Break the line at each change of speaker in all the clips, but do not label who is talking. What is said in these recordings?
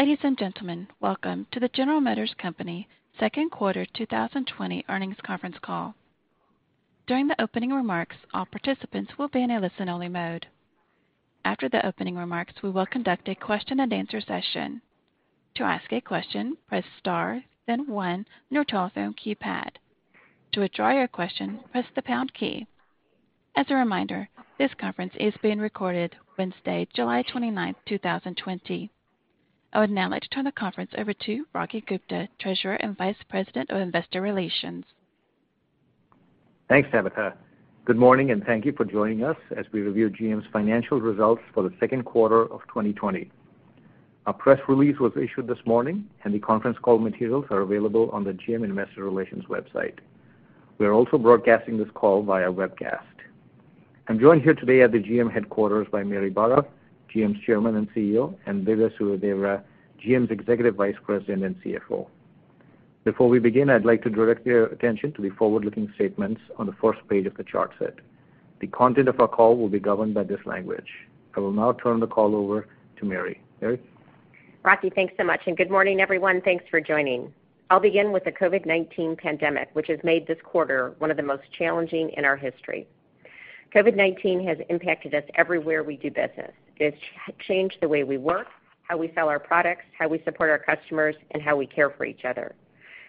Ladies and gentlemen, welcome to the General Motors Company Second Quarter 2020 Earnings Conference Call. During the opening remarks, all participants will be in a listen-only mode. After the opening remarks, we will conduct a question-and-answer session. To ask a question, press star then one on your telephone keypad. To withdraw your question, press the pound key. As a reminder, this conference is being recorded Wednesday, July 29th, 2020. I would now like to turn the conference over to Rocky Gupta, Treasurer and Vice President of Investor Relations.
Thanks, Tabitha. Good morning, and thank you for joining us as we review GM's financial results for the second quarter of 2020. A press release was issued this morning, and the conference call materials are available on the GM investor relations website. We are also broadcasting this call via webcast. I'm joined here today at the GM headquarters by Mary Barra, GM's Chairman and CEO, and Dhivya Suryadevara, GM's Executive Vice President and CFO. Before we begin, I'd like to direct your attention to the forward-looking statements on the first page of the chart set. The content of our call will be governed by this language. I will now turn the call over to Mary. Mary?
Rocky, thanks so much. Good morning, everyone. Thanks for joining. I'll begin with the COVID-19 pandemic, which has made this quarter one of the most challenging in our history. COVID-19 has impacted us everywhere we do business. It has changed the way we work, how we sell our products, how we support our customers, and how we care for each other.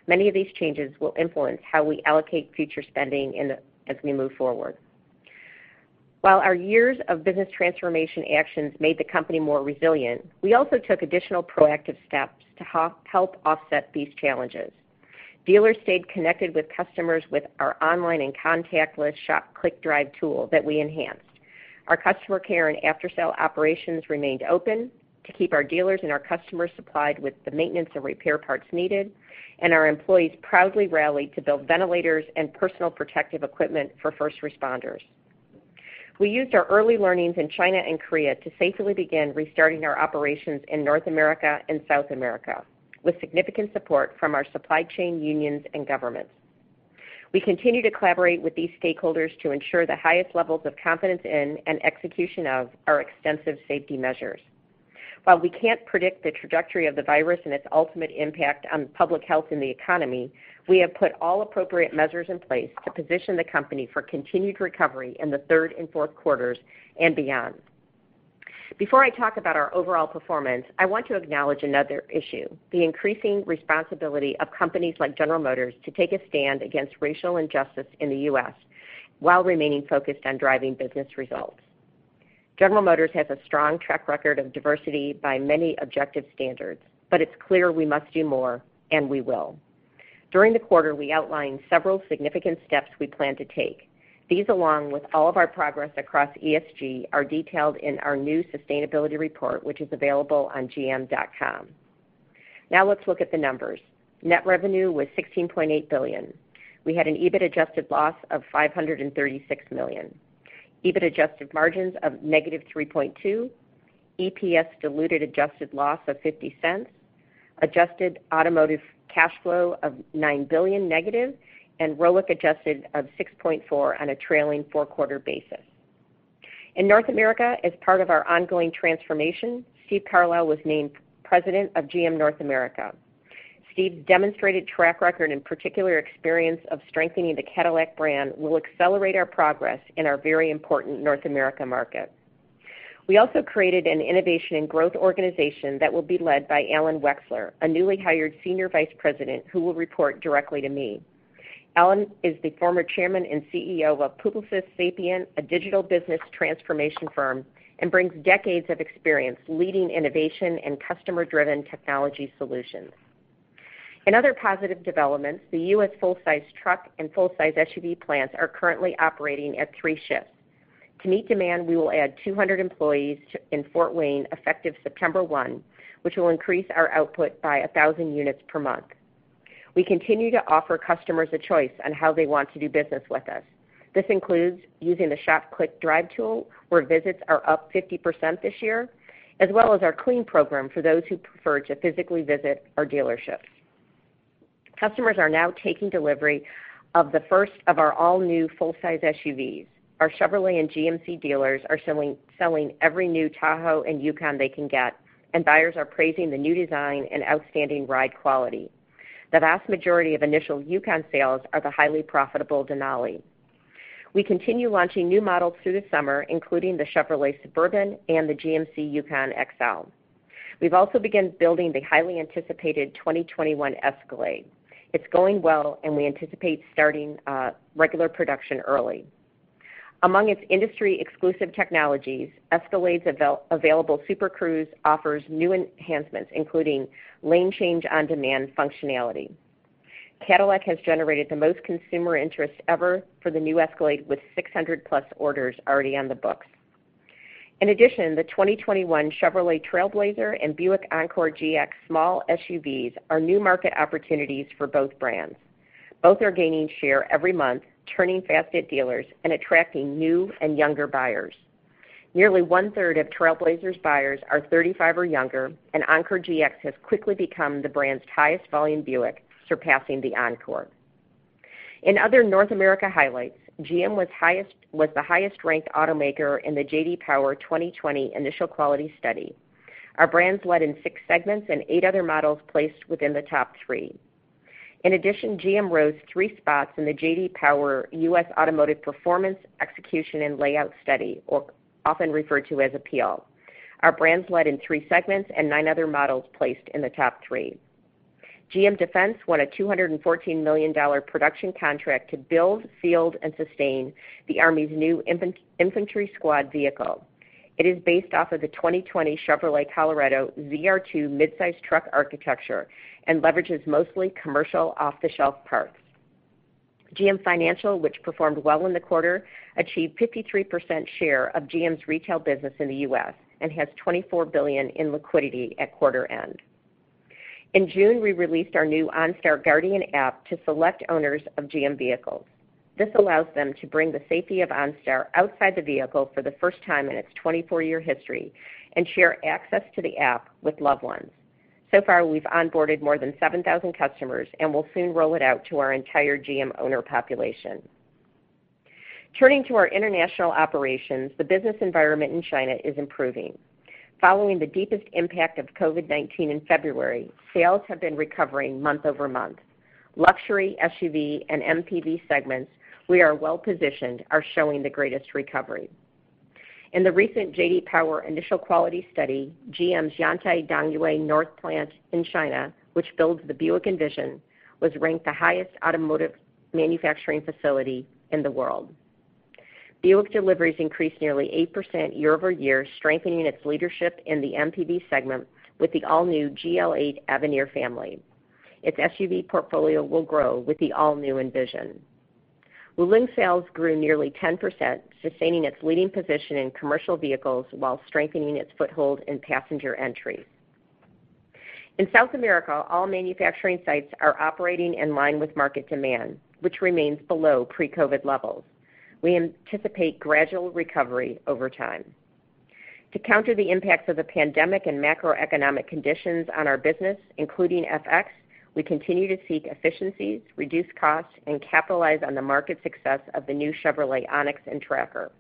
Many of these changes will influence how we allocate future spending as we move forward. While our years of business transformation actions made the company more resilient, we also took additional proactive steps to help offset these challenges. Dealers stayed connected with customers with our online and contactless Shop.Click.Drive tool that we enhanced. Our customer care and after-sale operations remained open to keep our dealers and our customers supplied with the maintenance and repair parts needed, and our employees proudly rallied to build ventilators and personal protective equipment for first responders. We used our early learnings in China and Korea to safely begin restarting our operations in North America and South America with significant support from our supply chain unions and governments. We continue to collaborate with these stakeholders to ensure the highest levels of confidence in and execution of our extensive safety measures. While we can't predict the trajectory of the virus and its ultimate impact on public health and the economy, we have put all appropriate measures in place to position the company for continued recovery in the third and fourth quarters and beyond. Before I talk about our overall performance, I want to acknowledge another issue, the increasing responsibility of companies like General Motors to take a stand against racial injustice in the U.S. while remaining focused on driving business results. General Motors has a strong track record of diversity by many objective standards, but it's clear we must do more, and we will. During the quarter, we outlined several significant steps we plan to take. These, along with all of our progress across ESG, are detailed in our new sustainability report, which is available on gm.com. Now let's look at the numbers. Net revenue was $16.8 billion. We had an EBIT adjusted loss of $536 million, EBIT adjusted margins of -3.2%, EPS diluted adjusted loss of $0.50, adjusted automotive cash flow of $9 billion-, and ROIC adjusted of 6.4% on a trailing four-quarter basis. In North America, as part of our ongoing transformation, Steve Carlisle was named President of GM North America. Steve's demonstrated track record and particular experience of strengthening the Cadillac brand will accelerate our progress in our very important North America market. We also created an innovation and growth organization that will be led by Alan Wexler, a newly hired Senior Vice President who will report directly to me. Alan is the former Chairman and CEO of Publicis Sapient, a digital business transformation firm, and brings decades of experience leading innovation and customer-driven technology solutions. In other positive developments, the U.S. full-size truck and full-size SUV plants are currently operating at three shifts. To meet demand, we will add 200 employees in Fort Wayne effective September 1, which will increase our output by 1,000 units per month. We continue to offer customers a choice on how they want to do business with us. This includes using the Shop.Click.Drive tool, where visits are up 50% this year, as well as our CLEAN Program for those who prefer to physically visit our dealerships. Customers are now taking delivery of the first of our all-new full-size SUVs. Our Chevrolet and GMC dealers are selling every new Tahoe and Yukon they can get, and buyers are praising the new design and outstanding ride quality. The vast majority of initial Yukon sales are the highly profitable Denali. We continue launching new models through the summer, including the Chevrolet Suburban and the GMC Yukon XL. We've also begun building the highly anticipated 2021 Escalade. It's going well, and we anticipate starting regular production early. Among its industry-exclusive technologies, Escalade's available Super Cruise offers new enhancements, including lane change on-demand functionality. Cadillac has generated the most consumer interest ever for the new Escalade, with 600+ orders already on the books. The 2021 Chevrolet Trailblazer and Buick Encore GX small SUVs are new market opportunities for both brands. Both are gaining share every month, turning fast at dealers, and attracting new and younger buyers. Nearly one-third of Trailblazer's buyers are 35 or younger, and Encore GX has quickly become the brand's highest volume Buick, surpassing the Encore. In other North America highlights, GM was the highest-ranked automaker in the J.D. Power 2020 Initial Quality Study. Our brands led in six segments and eight other models placed within the top three. GM rose three spots in the J.D. Power U.S. Automotive Performance, Execution, and Layout Study, often referred to as APEAL. Our brands led in three segments and nine other models placed in the top three. GM Defense won a $214 million production contract to build, field, and sustain the Army's new infantry squad vehicle. It is based off of the 2020 Chevrolet Colorado ZR2 midsize truck architecture and leverages mostly commercial off-the-shelf parts. GM Financial, which performed well in the quarter, achieved 53% share of GM's retail business in the U.S. and has $24 billion in liquidity at quarter end. In June, we released our new OnStar Guardian app to select owners of GM vehicles. This allows them to bring the safety of OnStar outside the vehicle for the first time in its 24-year history and share access to the app with loved ones. So far, we've onboarded more than 7,000 customers and will soon roll it out to our entire GM owner population. Turning to our international operations, the business environment in China is improving. Following the deepest impact of COVID-19 in February, sales have been recovering month-over-month. Luxury SUV and MPV segments, we are well-positioned, are showing the greatest recovery. In the recent J.D. Power Initial Quality Study, GM's SAIC-GM Dongyue North plant in China, which builds the Buick Envision, was ranked the highest automotive manufacturing facility in the world. Buick deliveries increased nearly 8% year-over-year, strengthening its leadership in the MPV segment with the all-new GL8 Avenir family. Its SUV portfolio will grow with the all-new Envision. Wuling sales grew nearly 10%, sustaining its leading position in commercial vehicles while strengthening its foothold in passenger entries. In South America, all manufacturing sites are operating in line with market demand, which remains below pre-COVID-19 levels. We anticipate gradual recovery over time. To counter the impacts of the pandemic and macroeconomic conditions on our business, including FX, we continue to seek efficiencies, reduce costs, and capitalize on the market success of the new Chevrolet Onix and Tracker.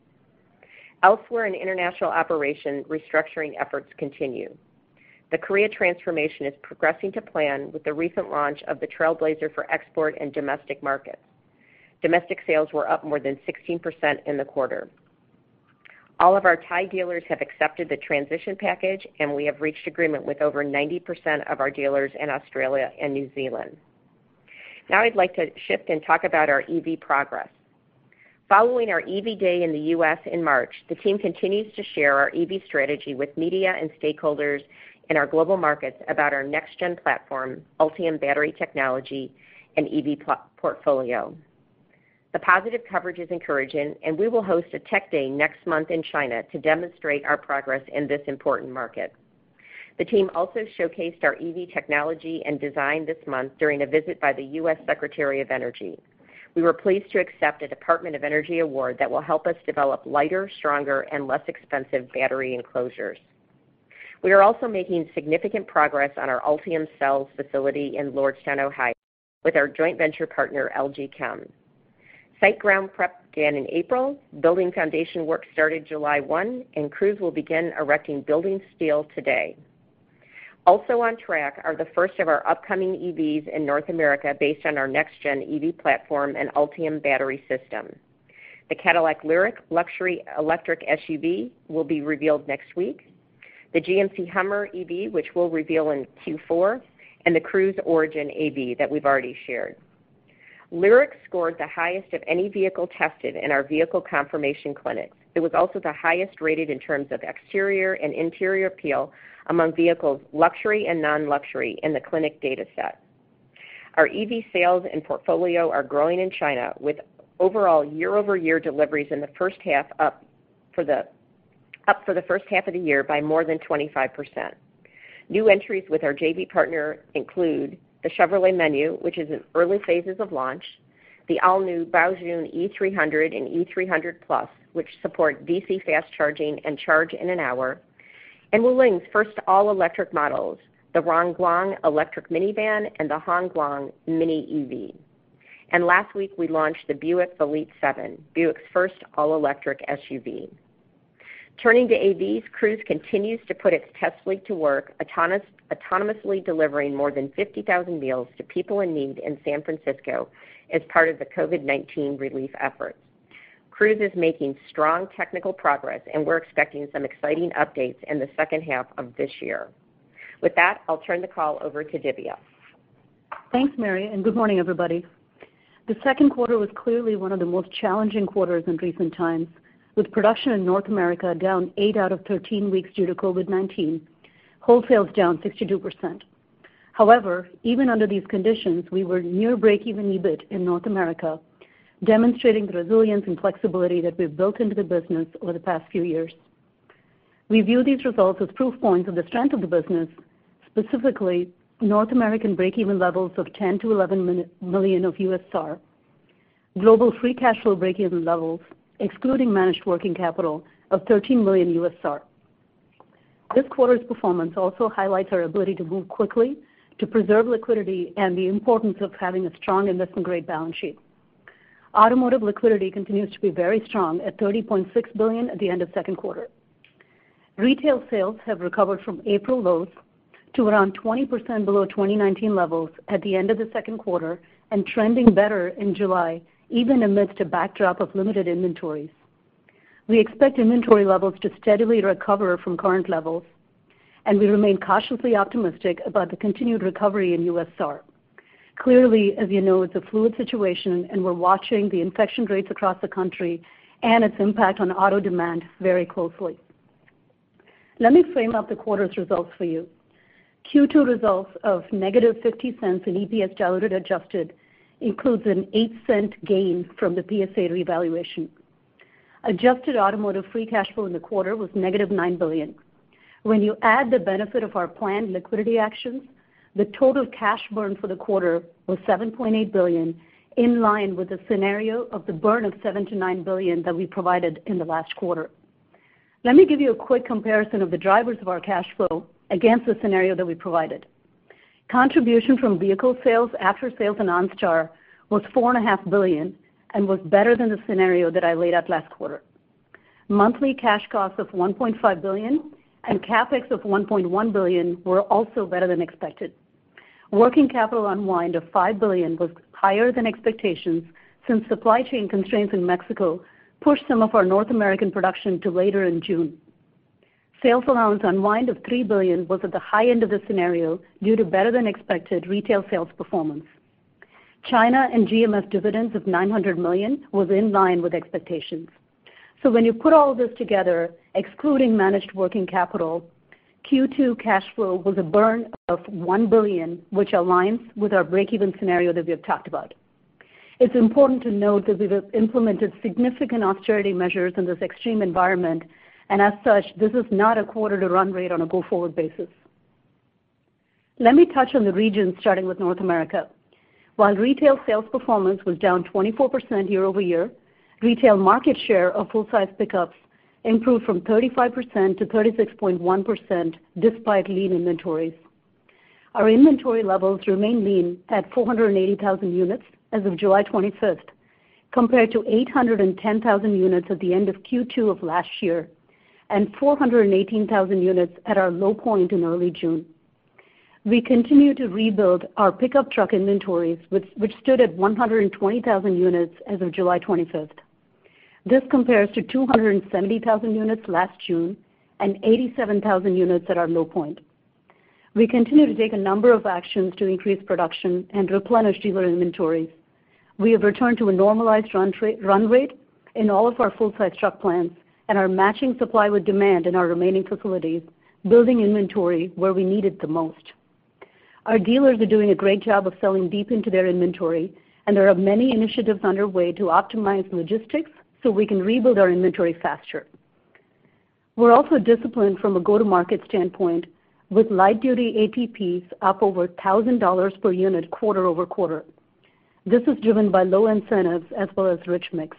Elsewhere in international operation, restructuring efforts continue. The Korea transformation is progressing to plan with the recent launch of the Trailblazer for export and domestic markets. Domestic sales were up more than 16% in the quarter. All of our Thai dealers have accepted the transition package, and we have reached agreement with over 90% of our dealers in Australia and New Zealand. Now I'd like to shift and talk about our EV progress. Following our EV Day in the U.S. in March, the team continues to share our EV strategy with media and stakeholders in our global markets about our next-gen platform, Ultium battery technology, and EV portfolio. The positive coverage is encouraging. We will host a Tech Day next month in China to demonstrate our progress in this important market. The team also showcased our EV technology and design this month during a visit by the U.S. Secretary of Energy. We were pleased to accept a Department of Energy award that will help us develop lighter, stronger, and less expensive battery enclosures. We are also making significant progress on our Ultium cells facility in Lordstown, Ohio, with our joint venture partner, LG Chem. Site ground prep began in April, building foundation work started July 1. Crews will begin erecting building steel today. Also on track are the first of our upcoming EVs in North America based on our next-gen EV platform and Ultium battery system. The Cadillac LYRIQ luxury electric SUV will be revealed next week, the GMC HUMMER EV, which we'll reveal in Q4, and the Cruise Origin AV that we've already shared. LYRIQ scored the highest of any vehicle tested in our vehicle confirmation clinic. It was also the highest rated in terms of exterior and interior APEAL among vehicles, luxury and non-luxury, in the clinic data set. Our EV sales and portfolio are growing in China, with overall year-over-year deliveries up for the first half of the year by more than 25%. New entries with our JV partner include the Chevrolet Menlo, which is in early phases of launch; the all-new Baojun E300 and E300 Plus, which support DC fast charging and charge in an hour; and Wuling's first all-electric models, the Rongguang electric minivan and the Hongguang mini EV. Last week, we launched the Buick VELITE 7, Buick's first all-electric SUV. Turning to AVs, Cruise continues to put its test fleet to work, autonomously delivering more than 50,000 meals to people in need in San Francisco as part of the COVID-19 relief efforts. Cruise is making strong technical progress, and we're expecting some exciting updates in the second half of this year. With that, I'll turn the call over to Dhivya.
Thanks, Mary. Good morning, everybody. The second quarter was clearly one of the most challenging quarters in recent times, with production in North America down eight out of 13 weeks due to COVID-19, wholesales down 62%. However, even under these conditions, we were near breakeven EBIT in North America, demonstrating the resilience and flexibility that we've built into the business over the past few years. We view these results as proof points of the strength of the business, specifically North American breakeven levels of 10 million-11 million, global free cash flow breakeven levels, excluding managed working capital, of 13 million U.S. SAAR. This quarter's performance also highlights our ability to move quickly to preserve liquidity and the importance of having a strong investment-grade balance sheet. Automotive liquidity continues to be very strong at $30.6 billion at the end of the second quarter. Retail sales have recovered from April lows to around 20% below 2019 levels at the end of the second quarter, and trending better in July, even amidst a backdrop of limited inventories. We expect inventory levels to steadily recover from current levels, and we remain cautiously optimistic about the continued recovery in U.S. SAAR. Clearly, as you know, it's a fluid situation, and we're watching the infection rates across the country and its impact on auto demand very closely. Let me frame up the quarter's results for you. Q2 results of -$0.50 in EPS diluted adjusted includes an $0.08 gain from the PSA revaluation. Adjusted automotive free cash flow in the quarter was -$9 billion. When you add the benefit of our planned liquidity actions, the total cash burn for the quarter was $7.8 billion, in line with the scenario of the burn of $7 billion-$9 billion that we provided in the last quarter. Let me give you a quick comparison of the drivers of our cash flow against the scenario that we provided. Contribution from vehicle sales after sales in OnStar was $4.5 billion and was better than the scenario that I laid out last quarter. Monthly cash costs of $1.5 billion and CapEx of $1.1 billion were also better than expected. Working capital unwind of $5 billion was higher than expectations since supply chain constraints in Mexico pushed some of our North American production to later in June. Sales allowance unwind of $3 billion was at the high end of the scenario due to better-than-expected retail sales performance. China and GMF dividends of $900 million was in line with expectations. When you put all this together, excluding managed working capital, Q2 cash flow was a burn of $1 billion, which aligns with our break-even scenario that we have talked about. It's important to note that we have implemented significant austerity measures in this extreme environment, and as such, this is not a quarter to run rate on a go-forward basis. Let me touch on the regions, starting with North America. While retail sales performance was down 24% year-over-year, retail market share of full-size pickups improved from 35% to 36.1%, despite lean inventories. Our inventory levels remain lean at 480,000 units as of July 25th, compared to 810,000 units at the end of Q2 of last year, and 418,000 units at our low point in early June. We continue to rebuild our pickup truck inventories, which stood at 120,000 units as of July 25th. This compares to 270,000 units last June and 87,000 units at our low point. We continue to take a number of actions to increase production and replenish dealer inventories. We have returned to a normalized run rate in all of our full-size truck plants and are matching supply with demand in our remaining facilities, building inventory where we need it the most. Our dealers are doing a great job of selling deep into their inventory, and there are many initiatives underway to optimize logistics so we can rebuild our inventory faster. We are also disciplined from a go-to-market standpoint, with light-duty ATPs up over $1,000 per unit quarter-over-quarter. This is driven by low incentives as well as rich mix.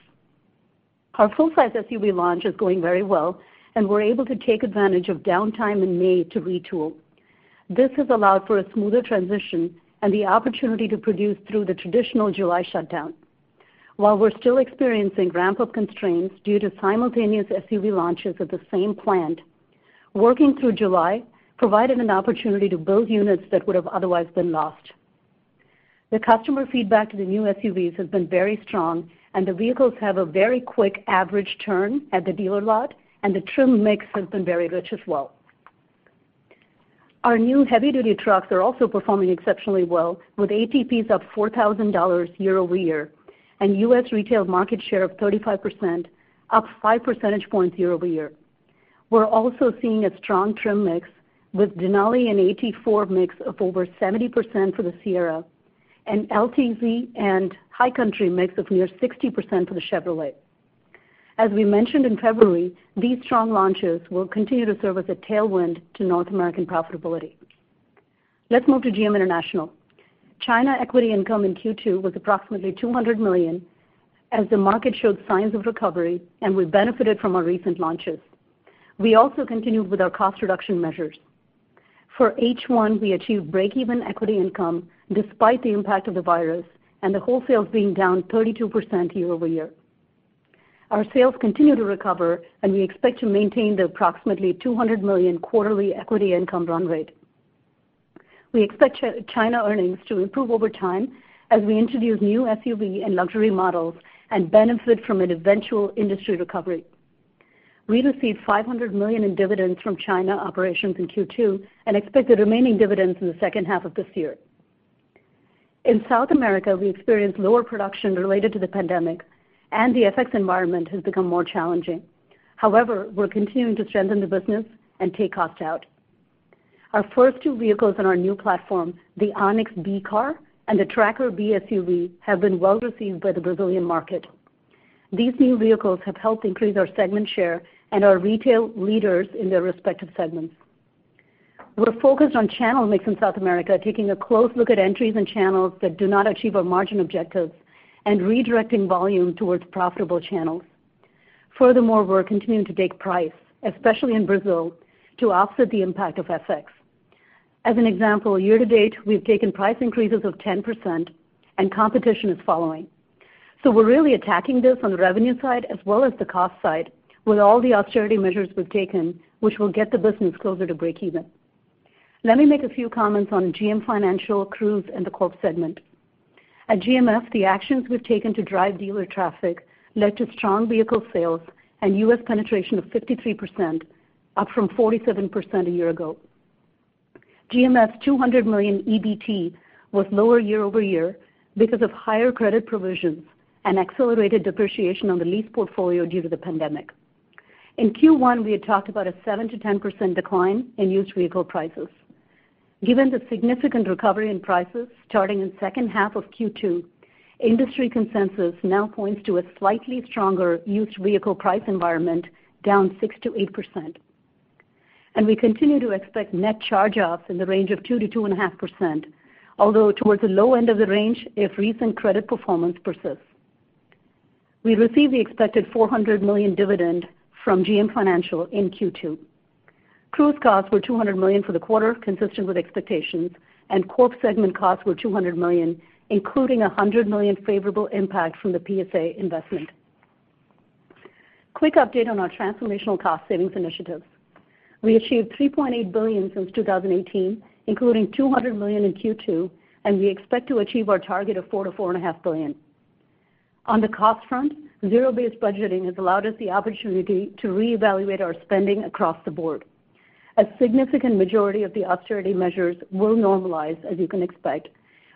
Our full-size SUV launch is going very well, and we're able to take advantage of downtime in May to retool. This has allowed for a smoother transition and the opportunity to produce through the traditional July shutdown. While we're still experiencing ramp-up constraints due to simultaneous SUV launches at the same plant, working through July provided an opportunity to build units that would have otherwise been lost. The customer feedback to the new SUVs has been very strong, and the vehicles have a very quick average turn at the dealer lot, and the trim mix has been very rich as well. Our new heavy-duty trucks are also performing exceptionally well, with ATPs up $4,000 year-over-year and U.S. retail market share of 35%, up 5 percentage points year-over-year. We're also seeing a strong trim mix with Denali and AT4 mix of over 70% for the Sierra and LTZ and High Country mix of near 60% for the Chevrolet. As we mentioned in February, these strong launches will continue to serve as a tailwind to North American profitability. Let's move to GM International. China equity income in Q2 was approximately $200 million as the market showed signs of recovery, and we benefited from our recent launches. We also continued with our cost reduction measures. For H1, we achieved break-even equity income despite the impact of the virus and the wholesales being down 32% year-over-year. Our sales continue to recover, and we expect to maintain the approximately $200 million quarterly equity income run rate. We expect China earnings to improve over time as we introduce new SUV and luxury models and benefit from an eventual industry recovery. We received $500 million in dividends from China operations in Q2 and expect the remaining dividends in the second half of this year. In South America, we experienced lower production related to the pandemic, and the FX environment has become more challenging. However, we're continuing to strengthen the business and take cost out. Our first two vehicles on our new platform, the Onix B-car and the Tracker B-SUV, have been well received by the Brazilian market. These new vehicles have helped increase our segment share and are retail leaders in their respective segments. We're focused on channel mix in South America, taking a close look at entries and channels that do not achieve our margin objectives and redirecting volume towards profitable channels. Furthermore, we're continuing to take price, especially in Brazil, to offset the impact of FX. As an example, year-to-date, we've taken price increases of 10%, and competition is following. We're really attacking this on the revenue side as well as the cost side with all the austerity measures we've taken, which will get the business closer to breakeven. Let me make a few comments on GM Financial, Cruise, and the Corp segment. At GMF, the actions we've taken to drive dealer traffic led to strong vehicle sales and U.S. penetration of 53%, up from 47% a year ago. GMF's $200 million EBT was lower year-over-year because of higher credit provisions and accelerated depreciation on the lease portfolio due to the pandemic. In Q1, we had talked about a 7%-10% decline in used vehicle prices. Given the significant recovery in prices starting in the second half of Q2, industry consensus now points to a slightly stronger used vehicle price environment, down 6%-8%. We continue to expect net charge-offs in the range of 2%-2.5%, although towards the low end of the range if recent credit performance persists. We received the expected $400 million dividend from GM Financial in Q2. Cruise costs were $200 million for the quarter, consistent with expectations, and Corp segment costs were $200 million, including $100 million favorable impact from the PSA investment. Quick update on our transformational cost savings initiatives. We achieved $3.8 billion since 2018, including $200 million in Q2, and we expect to achieve our target of $4 billion-$4.5 billion. On the cost front, zero-based budgeting has allowed us the opportunity to reevaluate our spending across the board. A significant majority of the austerity measures will normalize, as you can expect.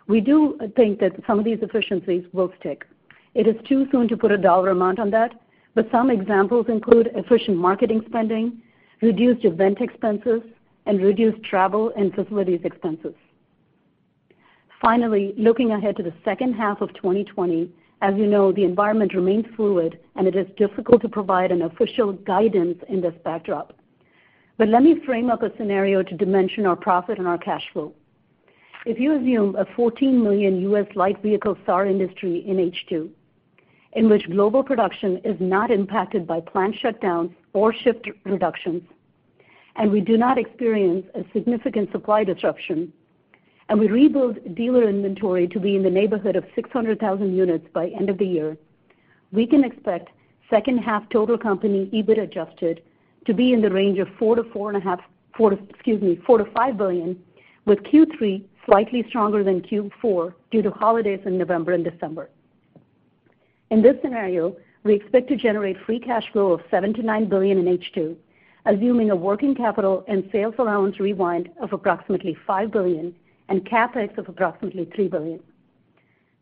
We do think that some of these efficiencies will stick. It is too soon to put a dollar amount on that, but some examples include efficient marketing spending, reduced event expenses, and reduced travel and facilities expenses. Finally, looking ahead to the second half of 2020, as you know, the environment remains fluid, and it is difficult to provide an official guidance in this backdrop. Let me frame up a scenario to dimension our profit and our cash flow. If you assume a 14 million U.S. light vehicle SAAR industry in H2, in which global production is not impacted by plant shutdowns or shift reductions, and we do not experience a significant supply disruption, and we rebuild dealer inventory to be in the neighborhood of 600,000 units by end of the year, we can expect second half total company EBIT adjusted to be in the range of $4 billion-$5 billion, with Q3 slightly stronger than Q4 due to holidays in November and December. In this scenario, we expect to generate free cash flow of $7 billion-$9 billion in H2, assuming a working capital and sales allowance rewind of approximately $5 billion and CapEx of approximately $3 billion.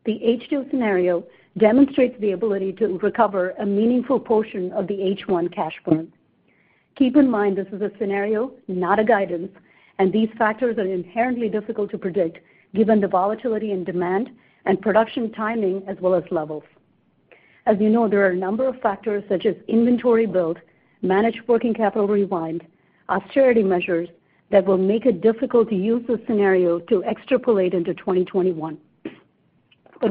The H2 scenario demonstrates the ability to recover a meaningful portion of the H1 cash burn. Keep in mind, this is a scenario, not a guidance, and these factors are inherently difficult to predict given the volatility in demand and production timing as well as levels. As you know, there are a number of factors such as inventory build, managed working capital rewind, austerity measures, that will make it difficult to use this scenario to extrapolate into 2021.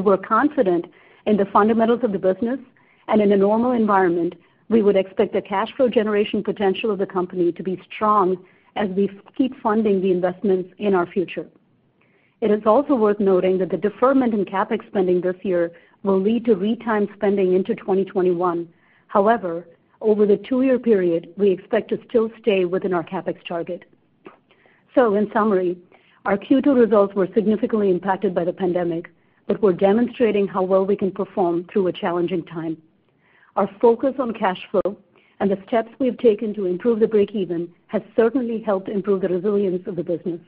We're confident in the fundamentals of the business, and in a normal environment, we would expect the cash flow generation potential of the company to be strong as we keep funding the investments in our future. It is also worth noting that the deferment in CapEx spending this year will lead to re-timed spending into 2021. However, over the two-year period, we expect to still stay within our CapEx target. In summary, our Q2 results were significantly impacted by the pandemic, but we're demonstrating how well we can perform through a challenging time. Our focus on cash flow and the steps we've taken to improve the breakeven have certainly helped improve the resilience of the business.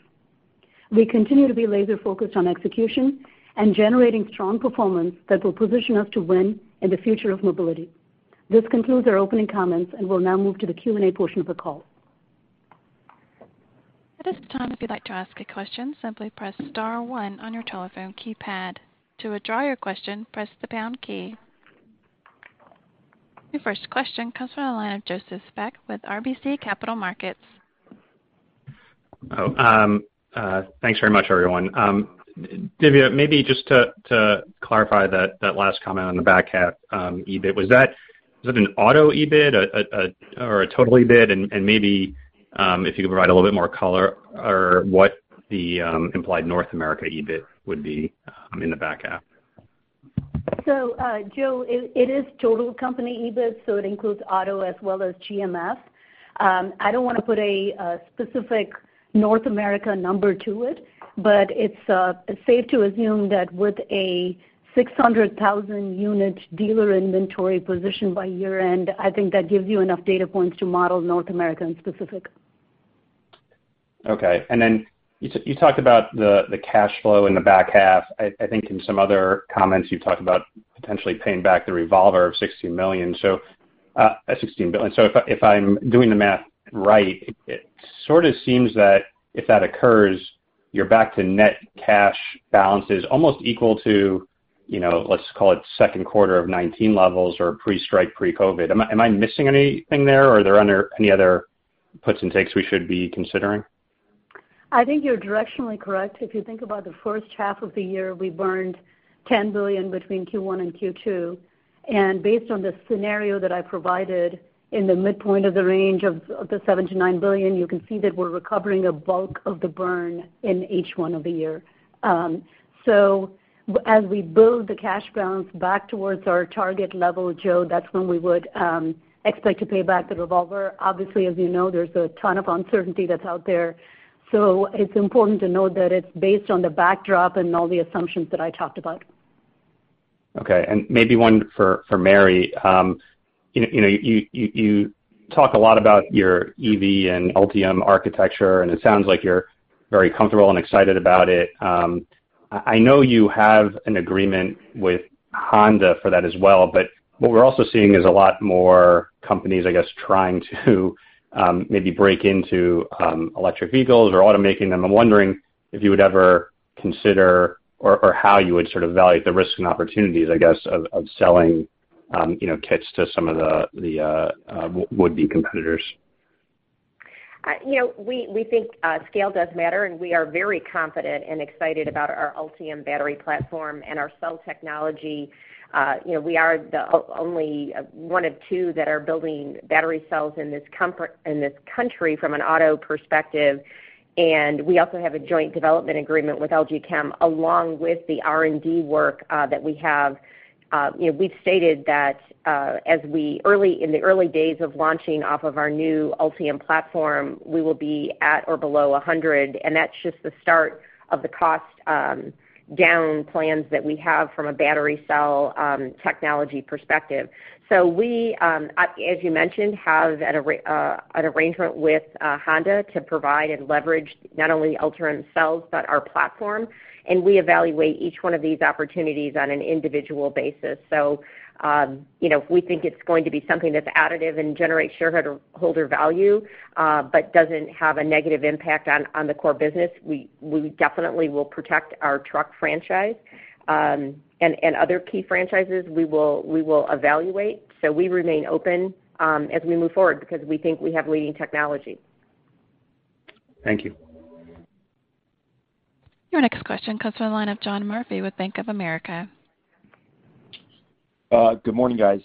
We continue to be laser-focused on execution and generating strong performance that will position us to win in the future of mobility. This concludes our opening comments, and we'll now move to the Q&A portion of the call.
At this time, if you'd like to ask a question, simply press star one on your telephone keypad. To withdraw your question, press the pound key. Your first question comes from the line of Joseph Spak with RBC Capital Markets.
Oh, thanks very much, everyone. Dhivya, maybe just to clarify that last comment on the back half EBIT, was that an auto EBIT or a total EBIT? Maybe if you could provide a little bit more color on what the implied North America EBIT would be in the back half.
Joe, it is total company EBIT, so it includes auto as well as GMF. I don't want to put a specific North America number to it, but it's safe to assume that with a 600,000 unit dealer inventory position by year-end, I think that gives you enough data points to model North America in specific.
Okay. You talked about the cash flow in the back half. I think in some other comments, you talked about potentially paying back the revolver of $16 billion. If I'm doing the math right, it sort of seems that if that occurs, you're back to net cash balances almost equal to let's call it second quarter of 2019 levels or pre-strike, pre-COVID-19. Am I missing anything there? Are there any other puts and takes we should be considering?
I think you're directionally correct. If you think about the first half of the year, we burned $10 billion between Q1 and Q2, and based on the scenario that I provided in the midpoint of the range of the $7 billion-$9 billion, you can see that we're recovering a bulk of the burn in H1 of the year. As we build the cash balance back towards our target level, Joe, that's when we would expect to pay back the revolver. Obviously, as you know, there's a ton of uncertainty that's out there, so it's important to note that it's based on the backdrop and all the assumptions that I talked about.
Okay. Maybe one for Mary. You talk a lot about your EV and Ultium architecture, and it sounds like you're very comfortable and excited about it. I know you have an agreement with Honda for that as well, what we're also seeing is a lot more companies, I guess, trying to maybe break into electric vehicles or automaking, and I'm wondering if you would ever consider, or how you would sort of value the risks and opportunities, I guess, of selling kits to some of the would-be competitors.
We think scale does matter, and we are very confident and excited about our Ultium battery platform and our cell technology. We are one of two that are building battery cells in this country from an auto perspective, and we also have a joint development agreement with LG Chem, along with the R&D work that we have. We've stated that in the early days of launching off of our new Ultium platform, we will be at or below 100, and that's just the start of the cost-down plans that we have from a battery cell technology perspective. We, as you mentioned, have an arrangement with Honda to provide and leverage not only Ultium cells but our platform, and we evaluate each one of these opportunities on an individual basis. If we think it's going to be something that's additive and generates shareholder value, but doesn't have a negative impact on the core business, we definitely will protect our truck franchise. Other key franchises, we will evaluate. We remain open as we move forward because we think we have leading technology.
Thank you.
Your next question comes from the line of John Murphy with Bank of America.
Good morning, guys.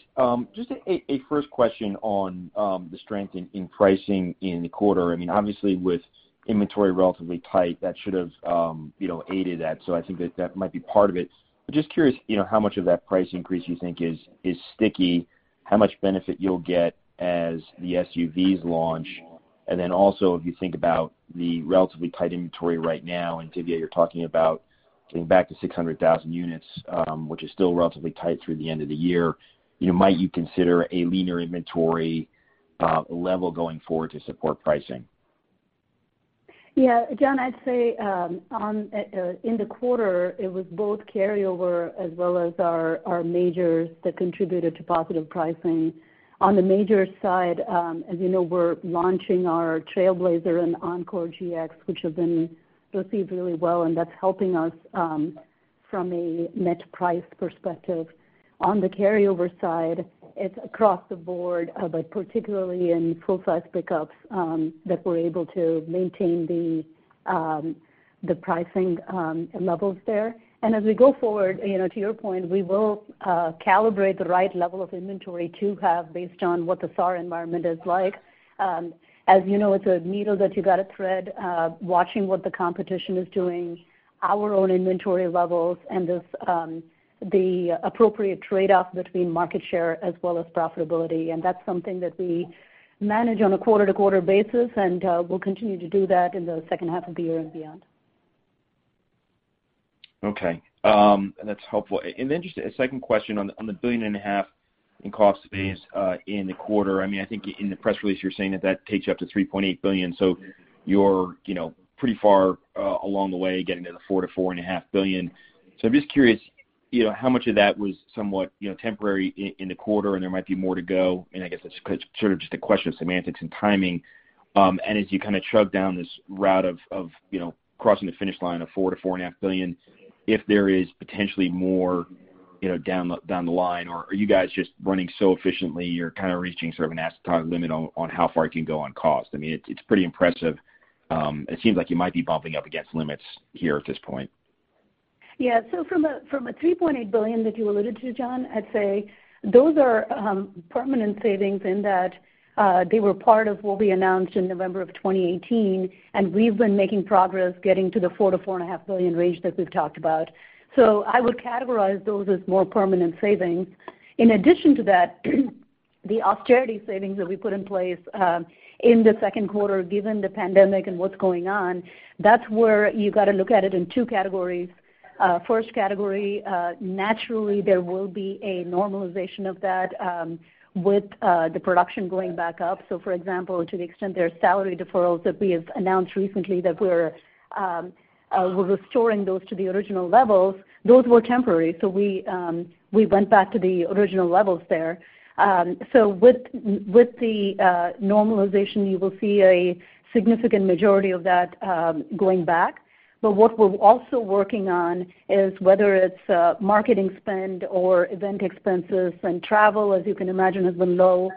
Just a first question on the strength in pricing in the quarter. Obviously with inventory relatively tight, that should have aided that. I think that that might be part of it. Just curious how much of that price increase you think is sticky, how much benefit you'll get as the SUVs launch. Also, if you think about the relatively tight inventory right now, Dhivya, you're talking about getting back to 600,000 units, which is still relatively tight through the end of the year, might you consider a leaner inventory level going forward to support pricing?
John, I'd say in the quarter, it was both carryover as well as our majors that contributed to positive pricing. On the major side, as you know, we're launching our Trailblazer and Encore GX, which have been received really well, and that's helping us from a net price perspective. On the carryover side, it's across the board, but particularly in full-size pickups, that we're able to maintain the pricing levels there. As we go forward, to your point, we will calibrate the right level of inventory to have based on what the SAAR environment is like. As you know, it's a needle that you got to thread, watching what the competition is doing, our own inventory levels, and the appropriate trade-off between market share as well as profitability. That's something that we manage on a quarter-to-quarter basis, and we'll continue to do that in the second half of the year and beyond.
That's helpful. Just a second question on the $1.5 billion In cost savings in the quarter. I think in the press release, you were saying that that takes you up to $3.8 billion, you're pretty far along the way getting to the $4 billion-$4.5 billion. I'm just curious how much of that was somewhat temporary in the quarter and there might be more to go, I guess that's sort of just a question of semantics and timing. As you kind of chug down this route of crossing the finish line of $4 billion-$4.5 billion, if there is potentially more down the line, or are you guys just running so efficiently you're kind of reaching sort of an asymptotic limit on how far it can go on cost? It's pretty impressive. It seems like you might be bumping up against limits here at this point.
Yeah. From a $3.8 billion that you alluded to, John, I'd say those are permanent savings in that they were part of what we announced in November of 2018, and we've been making progress getting to the $4 billion-$4.5 billion range that we've talked about. I would categorize those as more permanent savings. In addition to that, the austerity savings that we put in place in the second quarter, given the pandemic and what's going on, that's where you got to look at it in two categories. First category, naturally there will be a normalization of that with the production going back up. For example, to the extent there are salary deferrals that we have announced recently that we're restoring those to the original levels, those were temporary. We went back to the original levels there. With the normalization, you will see a significant majority of that going back. What we're also working on is whether it's marketing spend or event expenses and travel, as you can imagine, has been low,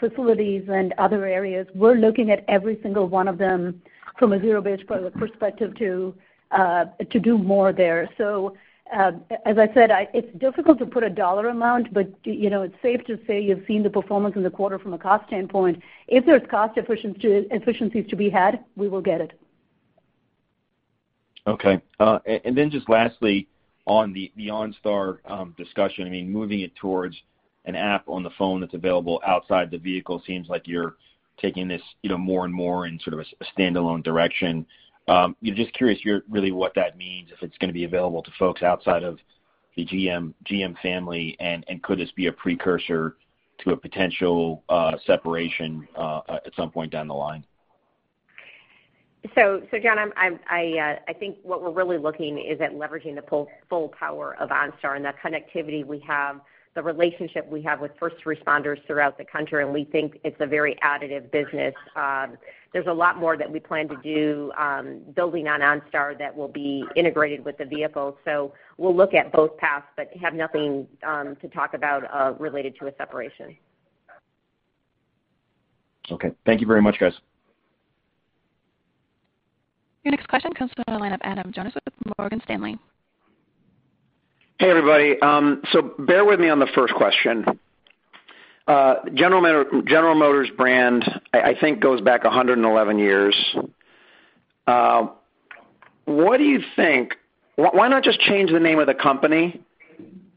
facilities and other areas. We're looking at every single one of them from a zero-based perspective to do more there. As I said, it's difficult to put a dollar amount, but it's safe to say you've seen the performance in the quarter from a cost standpoint. If there's cost efficiencies to be had, we will get it.
Okay. Just lastly, on the OnStar discussion, moving it towards an app on the phone that's available outside the vehicle, seems like you're taking this more and more in sort of a standalone direction. Just curious, really what that means, if it's going to be available to folks outside of the GM family, and could this be a precursor to a potential separation at some point down the line?
John, I think what we're really looking is at leveraging the full power of OnStar and that connectivity we have, the relationship we have with first responders throughout the country, and we think it's a very additive business. There's a lot more that we plan to do building on OnStar that will be integrated with the vehicle. We'll look at both paths, but have nothing to talk about related to a separation.
Okay. Thank you very much, guys.
Your next question comes from the line of Adam Jonas with Morgan Stanley.
Hey, everybody. Bear with me on the first question. General Motors' brand, I think, goes back 111 years. Why not just change the name of the company?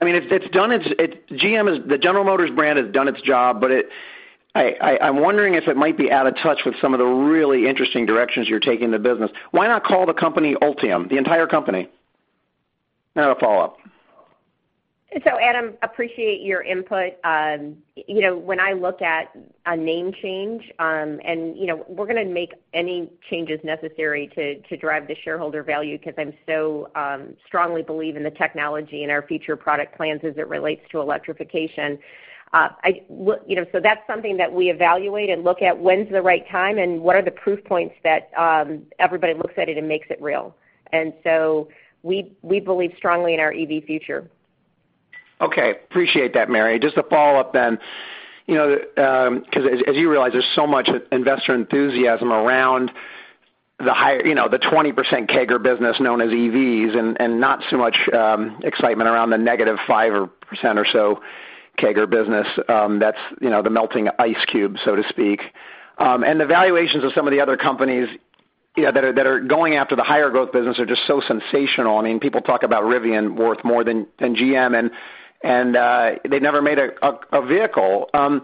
The General Motors brand has done its job, but I'm wondering if it might be out of touch with some of the really interesting directions you're taking the business. Why not call the company Ultium, the entire company? I have a follow-up.
Adam, appreciate your input. When I look at a name change, and we're going to make any changes necessary to drive the shareholder value because I strongly believe in the technology and our future product plans as it relates to electrification. That's something that we evaluate and look at when's the right time and what are the proof points that everybody looks at it and makes it real. We believe strongly in our EV future.
Appreciate that, Mary. Just a follow-up. As you realize, there's so much investor enthusiasm around the 20% CAGR business known as EVs and not so much excitement around the -5% or so CAGR business. That's the melting ice cube, so to speak. The valuations of some of the other companies that are going after the higher growth business are just so sensational. People talk about Rivian worth more than GM, they've never made a vehicle. I'm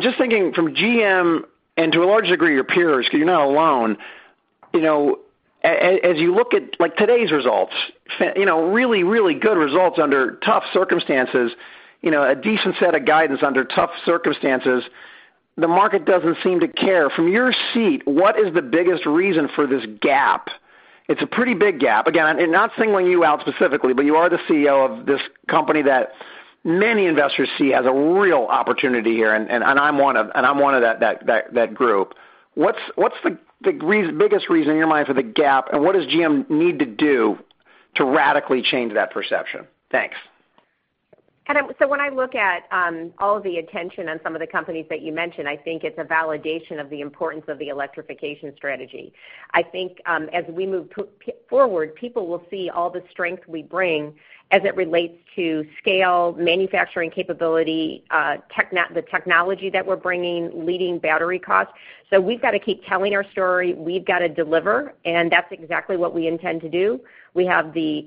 just thinking from GM, to a large degree, your peers, because you're not alone. As you look at today's results, really good results under tough circumstances, a decent set of guidance under tough circumstances. The market doesn't seem to care. From your seat, what is the biggest reason for this gap? It's a pretty big gap. I'm not singling you out specifically, but you are the CEO of this company that many investors see as a real opportunity here, and I'm one of that group. What's the biggest reason in your mind for the gap, and what does GM need to do to radically change that perception? Thanks.
Adam, when I look at all of the attention on some of the companies that you mentioned, I think it's a validation of the importance of the electrification strategy. I think as we move forward, people will see all the strength we bring as it relates to scale, manufacturing capability, the technology that we're bringing, leading battery costs. We've got to keep telling our story. We've got to deliver, that's exactly what we intend to do. We have the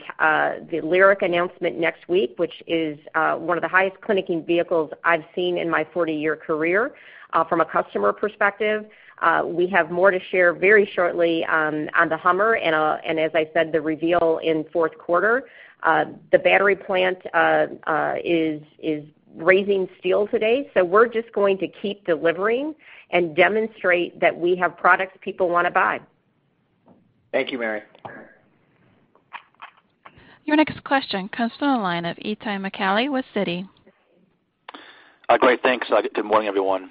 LYRIQ announcement next week, which is one of the highest clinicking vehicles I've seen in my 40-year career from a customer perspective. We have more to share very shortly on the HUMMER, as I said, the reveal in fourth quarter. The battery plant is raising steel today, we're just going to keep delivering and demonstrate that we have products people want to buy.
Thank you, Mary.
Your next question comes from the line of Itay Michaeli with Citi.
Great. Thanks. Good morning, everyone.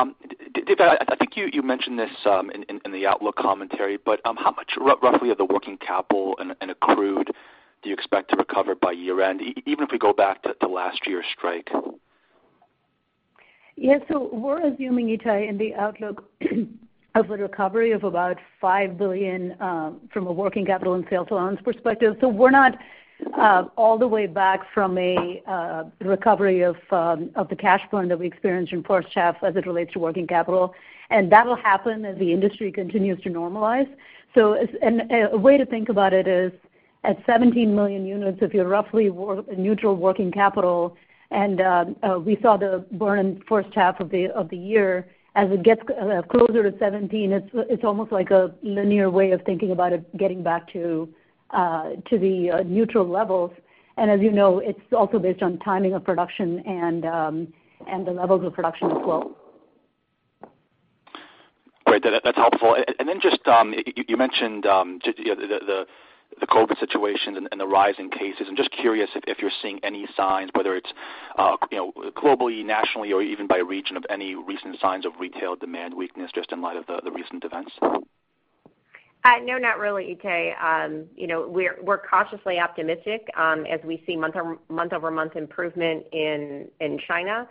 Dhivya, I think you mentioned this in the outlook commentary, how much roughly of the working capital and accrued do you expect to recover by year-end, even if we go back to last year's strike?
We're assuming, Itay, in the outlook of a recovery of about $5 billion from a working capital and sales allowance perspective. We're not all the way back from a recovery of the cash burn that we experienced in first half as it relates to working capital. That'll happen as the industry continues to normalize. A way to think about it is at 17 million units, if you're roughly neutral working capital, and we saw the burn first half of the year, as it gets closer to 17, it's almost like a linear way of thinking about it getting back to the neutral levels. As you know, it's also based on timing of production and the levels of production as well.
Great. That's helpful. Just you mentioned the COVID situation and the rise in cases. I'm just curious if you're seeing any signs, whether it's globally, nationally, or even by region, of any recent signs of retail demand weakness just in light of the recent events?
No, not really, Itay. We're cautiously optimistic as we see month-over-month improvement in China,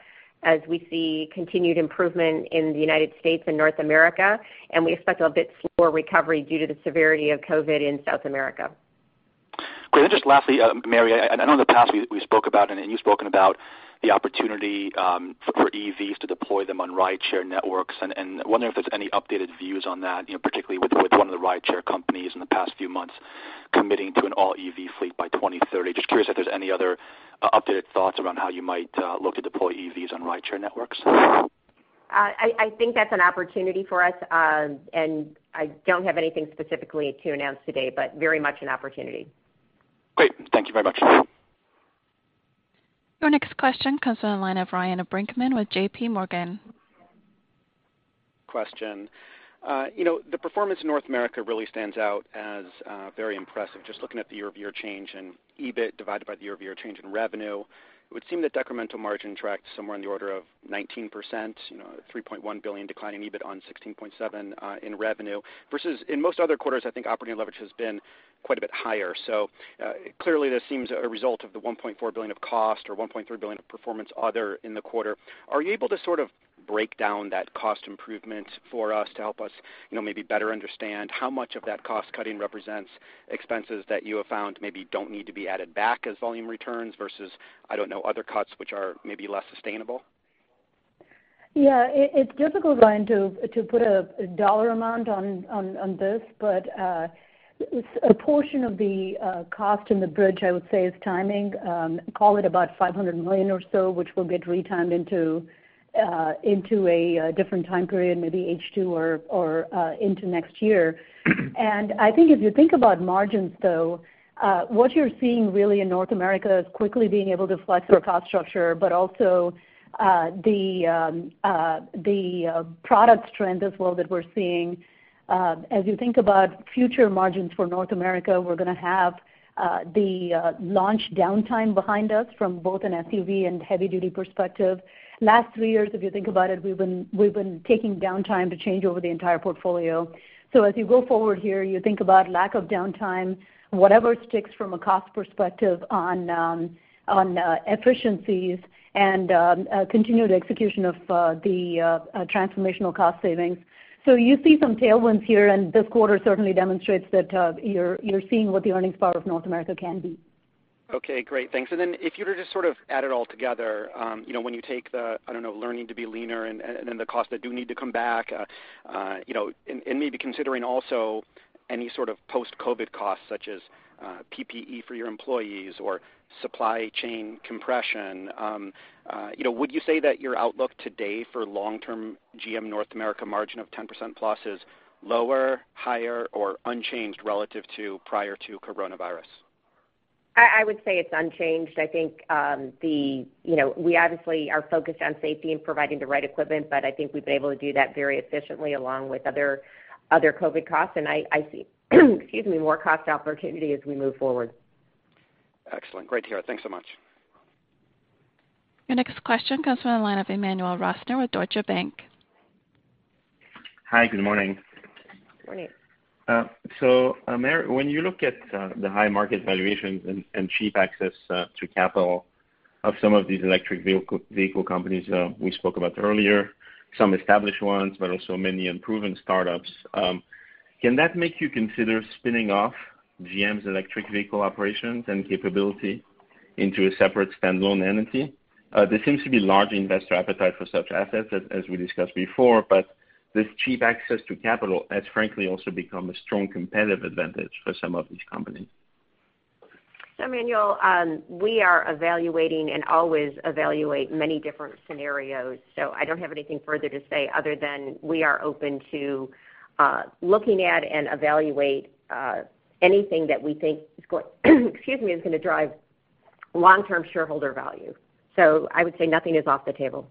as we see continued improvement in the United States and North America, we expect a bit slower recovery due to the severity of COVID-19 in South America.
Great. Just lastly, Mary, I know in the past we spoke about, and you've spoken about the opportunity for EVs to deploy them on rideshare networks, and wondering if there's any updated views on that, particularly with one of the rideshare companies in the past few months committing to an all-EV fleet by 2030. Just curious if there's any other updated thoughts around how you might look to deploy EVs on rideshare networks.
I think that's an opportunity for us. I don't have anything specifically to announce today, but very much an opportunity.
Great. Thank you very much.
Your next question comes from the line of Ryan Brinkman with JPMorgan.
Question. The performance in North America really stands out as very impressive. Just looking at the year-over-year change in EBIT divided by the year-over-year change in revenue, it would seem that decremental margin tracked somewhere in the order of 19%, $3.1 billion decline in EBIT on $16.7 in revenue. Versus in most other quarters, I think operating leverage has been quite a bit higher. Clearly this seems a result of the $1.4 billion of cost or $1.3 billion of performance other in the quarter. Are you able to sort of break down that cost improvement for us to help us maybe better understand how much of that cost-cutting represents expenses that you have found maybe don't need to be added back as volume returns versus, I don't know, other cuts which are maybe less sustainable?
It's difficult, Ryan, to put a dollar amount on this, but a portion of the cost in the bridge, I would say, is timing. Call it about $500 million or so, which will get retimed into a different time period, maybe H2 or into next year. I think if you think about margins, though, what you're seeing really in North America is quickly being able to flex our cost structure, but also the products trend as well that we're seeing. As you think about future margins for North America, we're going to have the launch downtime behind us from both an SUV and heavy-duty perspective. Last three years, if you think about it, we've been taking downtime to change over the entire portfolio. As you go forward here, you think about lack of downtime, whatever sticks from a cost perspective on efficiencies and continued execution of the transformational cost savings. You see some tailwinds here, and this quarter certainly demonstrates that you're seeing what the earnings power of North America can be.
Okay, great. Thanks. If you were to just sort of add it all together, when you take the, I don't know, learning to be leaner and then the costs that do need to come back, and maybe considering also any sort of post-COVID-19 costs such as PPE for your employees or supply chain compression. Would you say that your outlook today for long-term GM North America margin of 10%+ is lower, higher, or unchanged relative to prior to COVID-19?
I would say it's unchanged. I think we obviously are focused on safety and providing the right equipment, but I think we've been able to do that very efficiently along with other COVID costs, and I see, excuse me, more cost opportunity as we move forward.
Excellent. Great to hear. Thanks so much.
Your next question comes from the line of Emmanuel Rosner with Deutsche Bank.
Hi. Good morning.
Morning.
Mary, when you look at the high market valuations and cheap access to capital of some of these electric vehicle companies we spoke about earlier, some established ones, but also many unproven startups, can that make you consider spinning off GM's electric vehicle operations and capability into a separate standalone entity? There seems to be large investor appetite for such assets, as we discussed before, but this cheap access to capital has frankly also become a strong competitive advantage for some of these companies.
Emmanuel, we are evaluating and always evaluate many different scenarios. I don't have anything further to say other than we are open to looking at and evaluate anything that we think is going to drive long-term shareholder value. I would say nothing is off the table.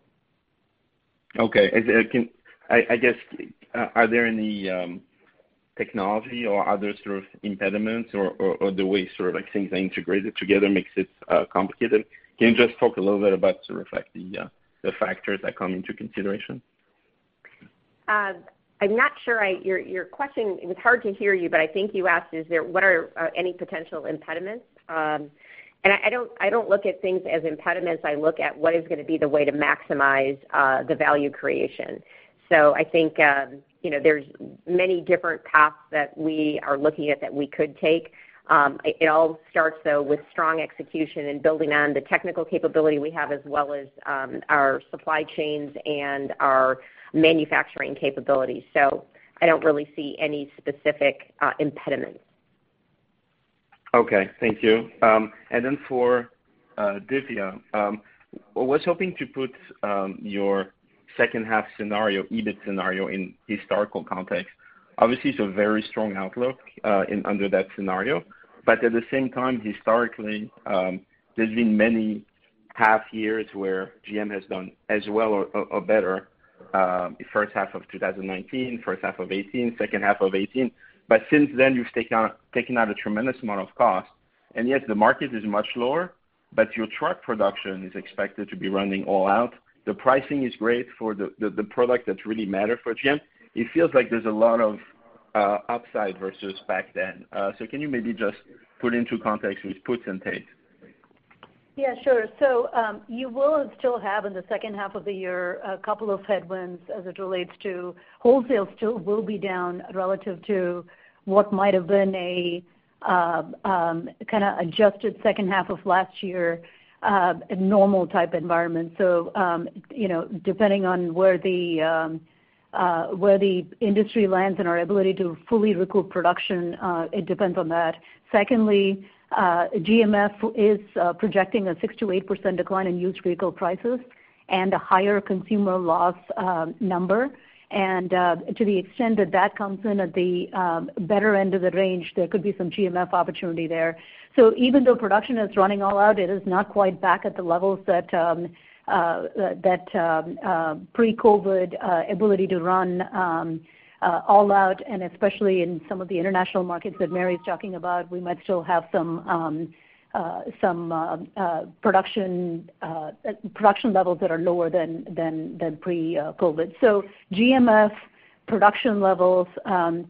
Okay. I guess, are there any technology or other sort of impediments, or the way things are integrated together makes it complicated? Can you just talk a little bit about sort of like the factors that come into consideration?
I'm not sure. Your question, it was hard to hear you, I think you asked what are any potential impediments? I don't look at things as impediments. I look at what is going to be the way to maximize the value creation. I think there's many different paths that we are looking at that we could take. It all starts, though, with strong execution and building on the technical capability we have, as well as our supply chains and our manufacturing capabilities. I don't really see any specific impediments.
Okay. Thank you. For Dhivya, I was hoping to put your second half scenario, EBIT scenario in historical context. Obviously, it's a very strong outlook under that scenario. At the same time, historically, there's been many half years where GM has done as well or better. First half of 2019, first half of 2018, second half of 2018. Since then, you've taken out a tremendous amount of cost. Yes, the market is much lower, but your truck production is expected to be running all out. The pricing is great for the product that really matter for GM. It feels like there's a lot of upside versus back then. Can you maybe just put into context with puts and takes?
Yeah, sure. You will still have in the second half of the year, a couple of headwinds as it relates to wholesale still will be down relative to what might have been a kind of adjusted second half of last year, a normal type environment. Depending on where the industry lands and our ability to fully recoup production, it depends on that. Secondly, GMF is projecting a 6%-8% decline in used vehicle prices and a higher consumer loss number. To the extent that that comes in at the better end of the range, there could be some GMF opportunity there. Even though production is running all out, it is not quite back at the levels that pre-COVID ability to run all out, and especially in some of the international markets that Mary's talking about, we might still have some production levels that are lower than pre-COVID. GMF production levels, and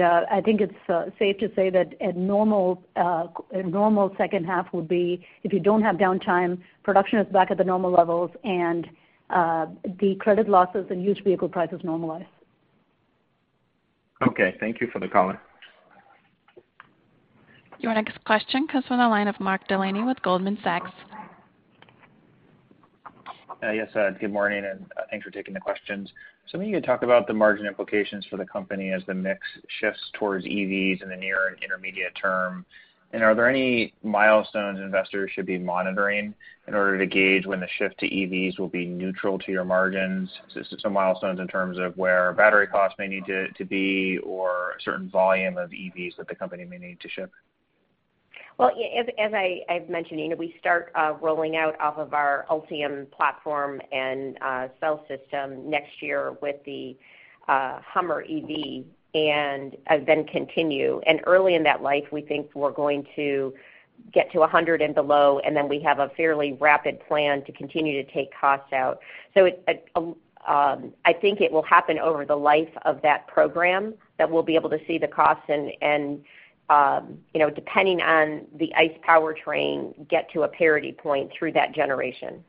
I think it's safe to say that a normal second half would be if you don't have downtime, production is back at the normal levels, and the credit losses and used vehicle prices normalize.
Okay. Thank you for the color.
Your next question comes from the line of Mark Delaney with Goldman Sachs.
Yes, good morning. Thanks for taking the questions. Maybe you could talk about the margin implications for the company as the mix shifts towards EVs in the near and intermediate term. Are there any milestones investors should be monitoring in order to gauge when the shift to EVs will be neutral to your margins? Just some milestones in terms of where battery costs may need to be, or a certain volume of EVs that the company may need to ship.
As I've mentioned, we start rolling out off of our Ultium platform and cell system next year with the HUMMER EV, and then continue. Early in that life, we think we're going to get to $100 and below, and then we have a fairly rapid plan to continue to take costs out. I think it will happen over the life of that program that we'll be able to see the costs and depending on the ICE powertrain, get to a parity point through that generation.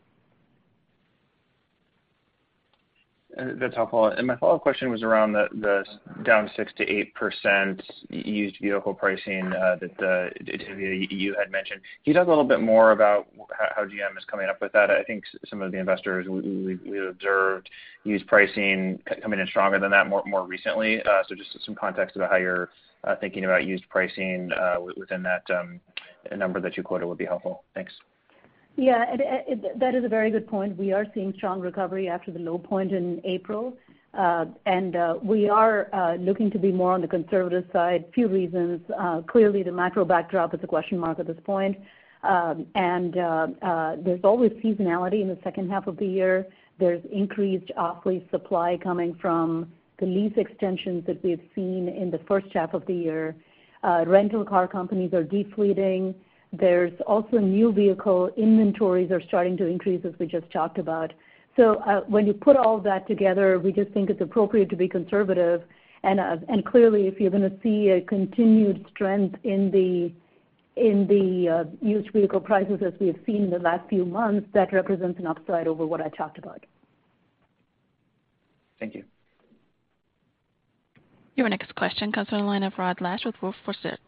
That's helpful. My follow-up question was around the down 6% to 8% used vehicle pricing that you had mentioned. Can you talk a little bit more about how GM is coming up with that? I think some of the investors we've observed used pricing coming in stronger than that more recently. Just some context about how you're thinking about used pricing within that number that you quoted would be helpful. Thanks.
Yeah, that is a very good point. We are seeing strong recovery after the low point in April. We are looking to be more on the conservative side. Few reasons. Clearly, the macro backdrop is a question mark at this point. There's always seasonality in the second half of the year. There's increased off-lease supply coming from the lease extensions that we've seen in the first half of the year. Rental car companies are de-fleeting. There's also new vehicle inventories are starting to increase, as we just talked about. When you put all that together, we just think it's appropriate to be conservative. Clearly, if you're going to see a continued strength in the used vehicle prices as we have seen in the last few months, that represents an upside over what I talked about.
Thank you.
Your next question comes from the line of Rod Lache with Wolfe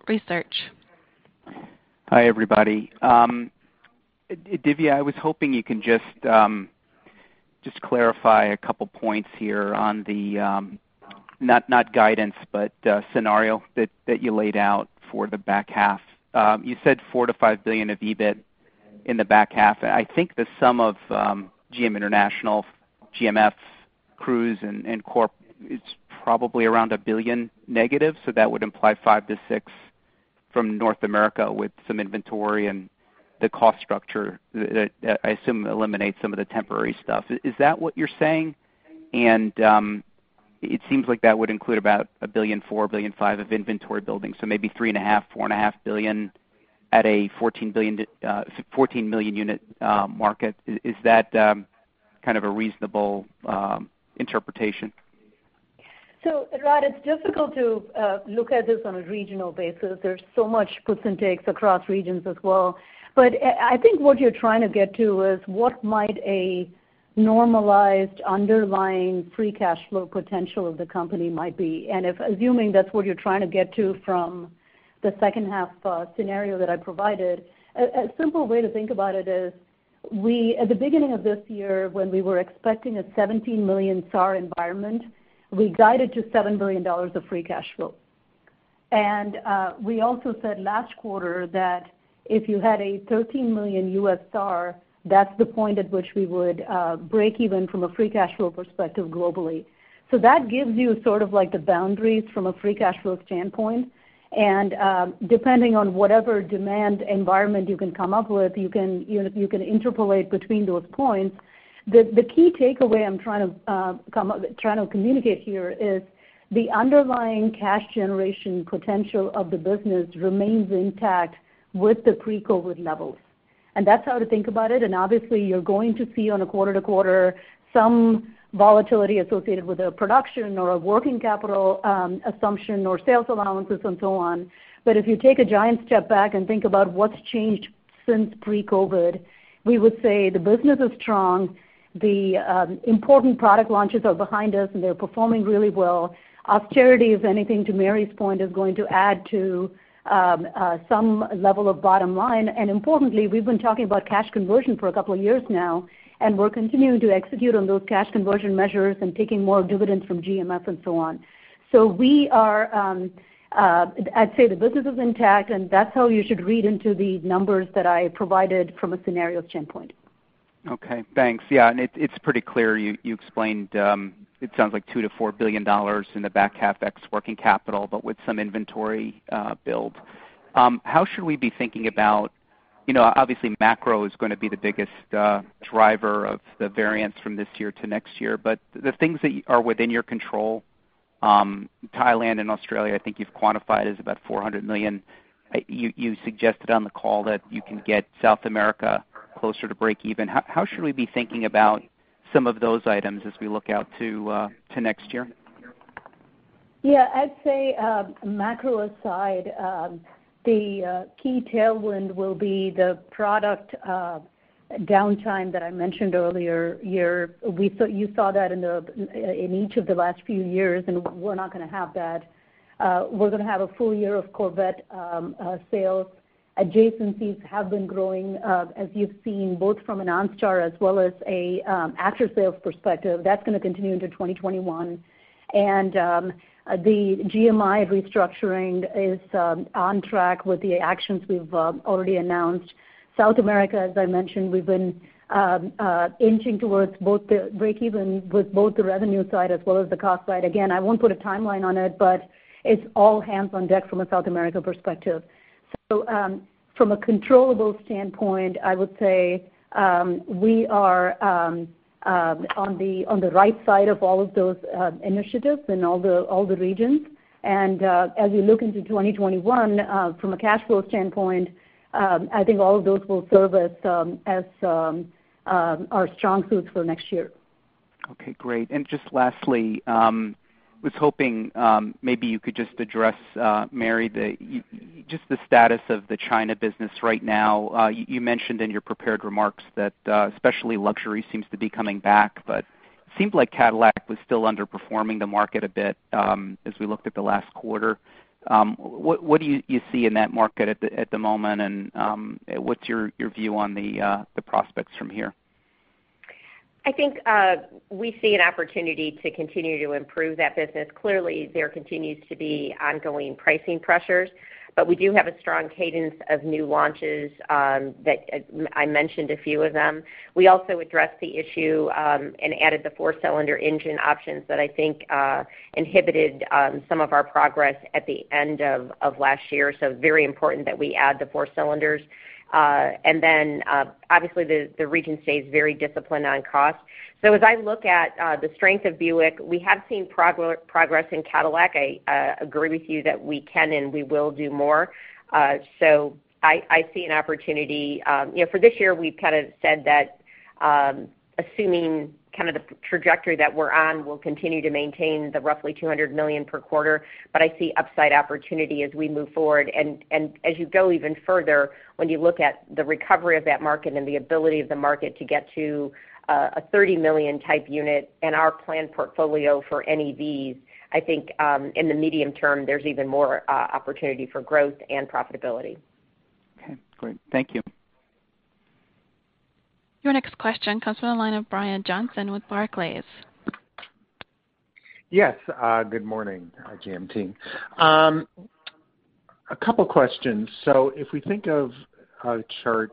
Research.
Hi, everybody. Dhivya, I was hoping you can just clarify a couple points here on the, not guidance, but scenario that you laid out for the back half. You said $4 billion-$5 billion of EBIT in the back half. I think the sum of GM International, GMF, Cruise, and Corp, it's probably around $1 billion-, that would imply $5 billion-$6 billion from North America with some inventory and the cost structure that I assume eliminates some of the temporary stuff. Is that what you're saying? It seems like that would include about $1.4 billion, $1.5 billion of inventory building, maybe $3.5 billion, $4.5 billion at a 14 million unit market. Is that kind of a reasonable interpretation?
Rod, it's difficult to look at this on a regional basis. There's so much puts and takes across regions as well. I think what you're trying to get to is what might a normalized underlying free cash flow potential of the company might be. Assuming that's what you're trying to get to from the second half scenario that I provided, a simple way to think about it is, at the beginning of this year, when we were expecting a 17 million SAAR environment, we guided to $7 billion of free cash flow. We also said last quarter that if you had a 13 million U.S. SAAR, that's the point at which we would break even from a free cash flow perspective globally. That gives you sort of like the boundaries from a free cash flow standpoint. Depending on whatever demand environment you can come up with, you can interpolate between those points. The key takeaway I'm trying to communicate here is the underlying cash generation potential of the business remains intact with the pre-COVID levels. That's how to think about it. Obviously you're going to see on a quarter-to-quarter some volatility associated with a production or a working capital assumption or sales allowances and so on. If you take a giant step back and think about what's changed since pre-COVID, we would say the business is strong, the important product launches are behind us, and they're performing really well. Austerity, if anything, to Mary's point, is going to add to some level of bottom line. Importantly, we've been talking about cash conversion for a couple of years now, and we're continuing to execute on those cash conversion measures and taking more dividends from GMF and so on. I'd say the business is intact and that's how you should read into the numbers that I provided from a scenarios standpoint.
Okay, thanks. Yeah, it's pretty clear. You explained, it sounds like $2 billion-$4 billion in the back half ex working capital, but with some inventory build. How should we be thinking about, obviously macro is going to be the biggest driver of the variance from this year to next year, but the things that are within your control, Thailand and Australia, I think you've quantified as about $400 million. You suggested on the call that you can get South America closer to breakeven. How should we be thinking about some of those items as we look out to next year?
Yeah, I'd say, macro aside, the key tailwind will be the product downtime that I mentioned earlier. You saw that in each of the last few years. We're not going to have that. We're going to have a full year of Corvette sales. Adjacencies have been growing, as you've seen, both from an OnStar as well as an after sales perspective. That's going to continue into 2021. The GMI restructuring is on track with the actions we've already announced. South America, as I mentioned, we've been inching towards both the breakeven with both the revenue side as well as the cost side. Again, I won't put a timeline on it. It's all hands on deck from a South America perspective. From a controllable standpoint, I would say, we are on the right side of all of those initiatives in all the regions. As we look into 2021, from a cash flow standpoint, I think all of those will serve as our strong suits for next year.
Okay, great. Just lastly, was hoping maybe you could just address, Mary, just the status of the China business right now. You mentioned in your prepared remarks that especially luxury seems to be coming back, but seemed like Cadillac was still underperforming the market a bit, as we looked at the last quarter. What do you see in that market at the moment, what's your view on the prospects from here?
I think, we see an opportunity to continue to improve that business. Clearly, there continues to be ongoing pricing pressures, but we do have a strong cadence of new launches that I mentioned a few of them. We also addressed the issue and added the four-cylinder engine options that I think inhibited some of our progress at the end of last year. Very important that we add the four cylinders. Obviously the region stays very disciplined on cost. As I look at the strength of Buick, we have seen progress in Cadillac. I agree with you that we can and we will do more. I see an opportunity. For this year, we've kind of said that, assuming the trajectory that we're on, we'll continue to maintain the roughly $200 million per quarter. I see upside opportunity as we move forward. As you go even further, when you look at the recovery of that market and the ability of the market to get to a 30 million type unit and our planned portfolio for NEVs, I think, in the medium term, there's even more opportunity for growth and profitability.
Okay, great. Thank you.
Your next question comes from the line of Brian Johnson with Barclays.
Yes, good morning, GM team. A couple questions. If we think of a chart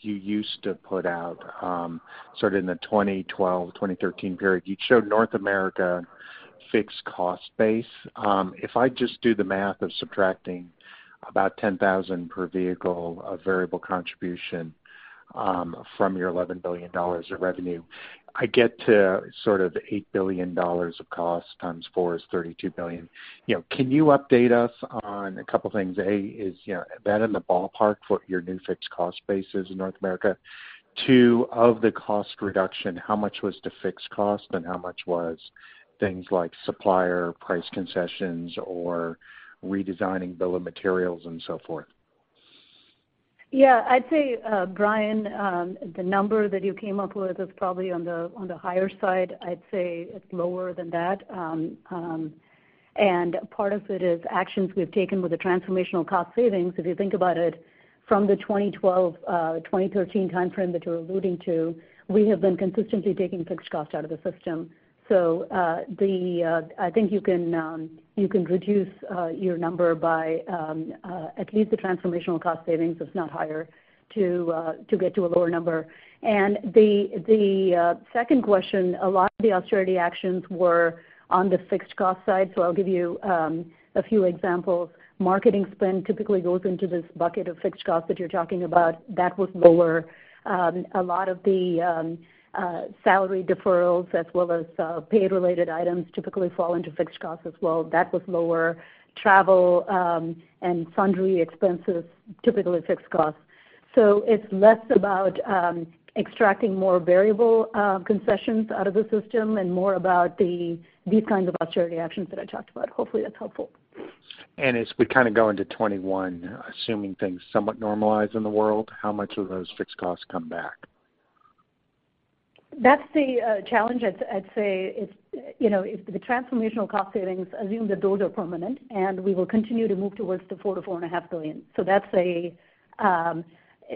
you used to put out, sort of in the 2012/2013 period, you'd showed North America fixed cost base. If I just do the math of subtracting about 10,000 per vehicle of variable contribution from your $11 billion of revenue, I get to sort of $8 billion of cost times four is $32 billion. Can you update us on a couple things? A is, that in the ballpark for your new fixed cost bases in North America? Two, of the cost reduction, how much was to fixed cost and how much was things like supplier price concessions or redesigning bill of materials and so forth?
Yeah, I'd say, Brian, the number that you came up with is probably on the higher side. I'd say it's lower than that. Part of it is actions we've taken with the transformational cost savings. If you think about it from the 2012/2013 timeframe that you're alluding to, we have been consistently taking fixed costs out of the system. I think you can reduce your number by at least the transformational cost savings, if not higher, to get to a lower number. The second question, a lot of the austerity actions were on the fixed cost side. I'll give you a few examples. Marketing spend typically goes into this bucket of fixed cost that you're talking about. That was lower. A lot of the salary deferrals, as well as pay-related items typically fall into fixed costs as well. That was lower. Travel and sundry expenses, typically fixed costs. It's less about extracting more variable concessions out of the system and more about these kinds of austerity actions that I talked about. Hopefully that's helpful.
As we go into 2021, assuming things somewhat normalize in the world, how much of those fixed costs come back?
That's the challenge, I'd say. If the transformational cost savings, assume that those are permanent, we will continue to move towards the $4 billion-$4.5 billion.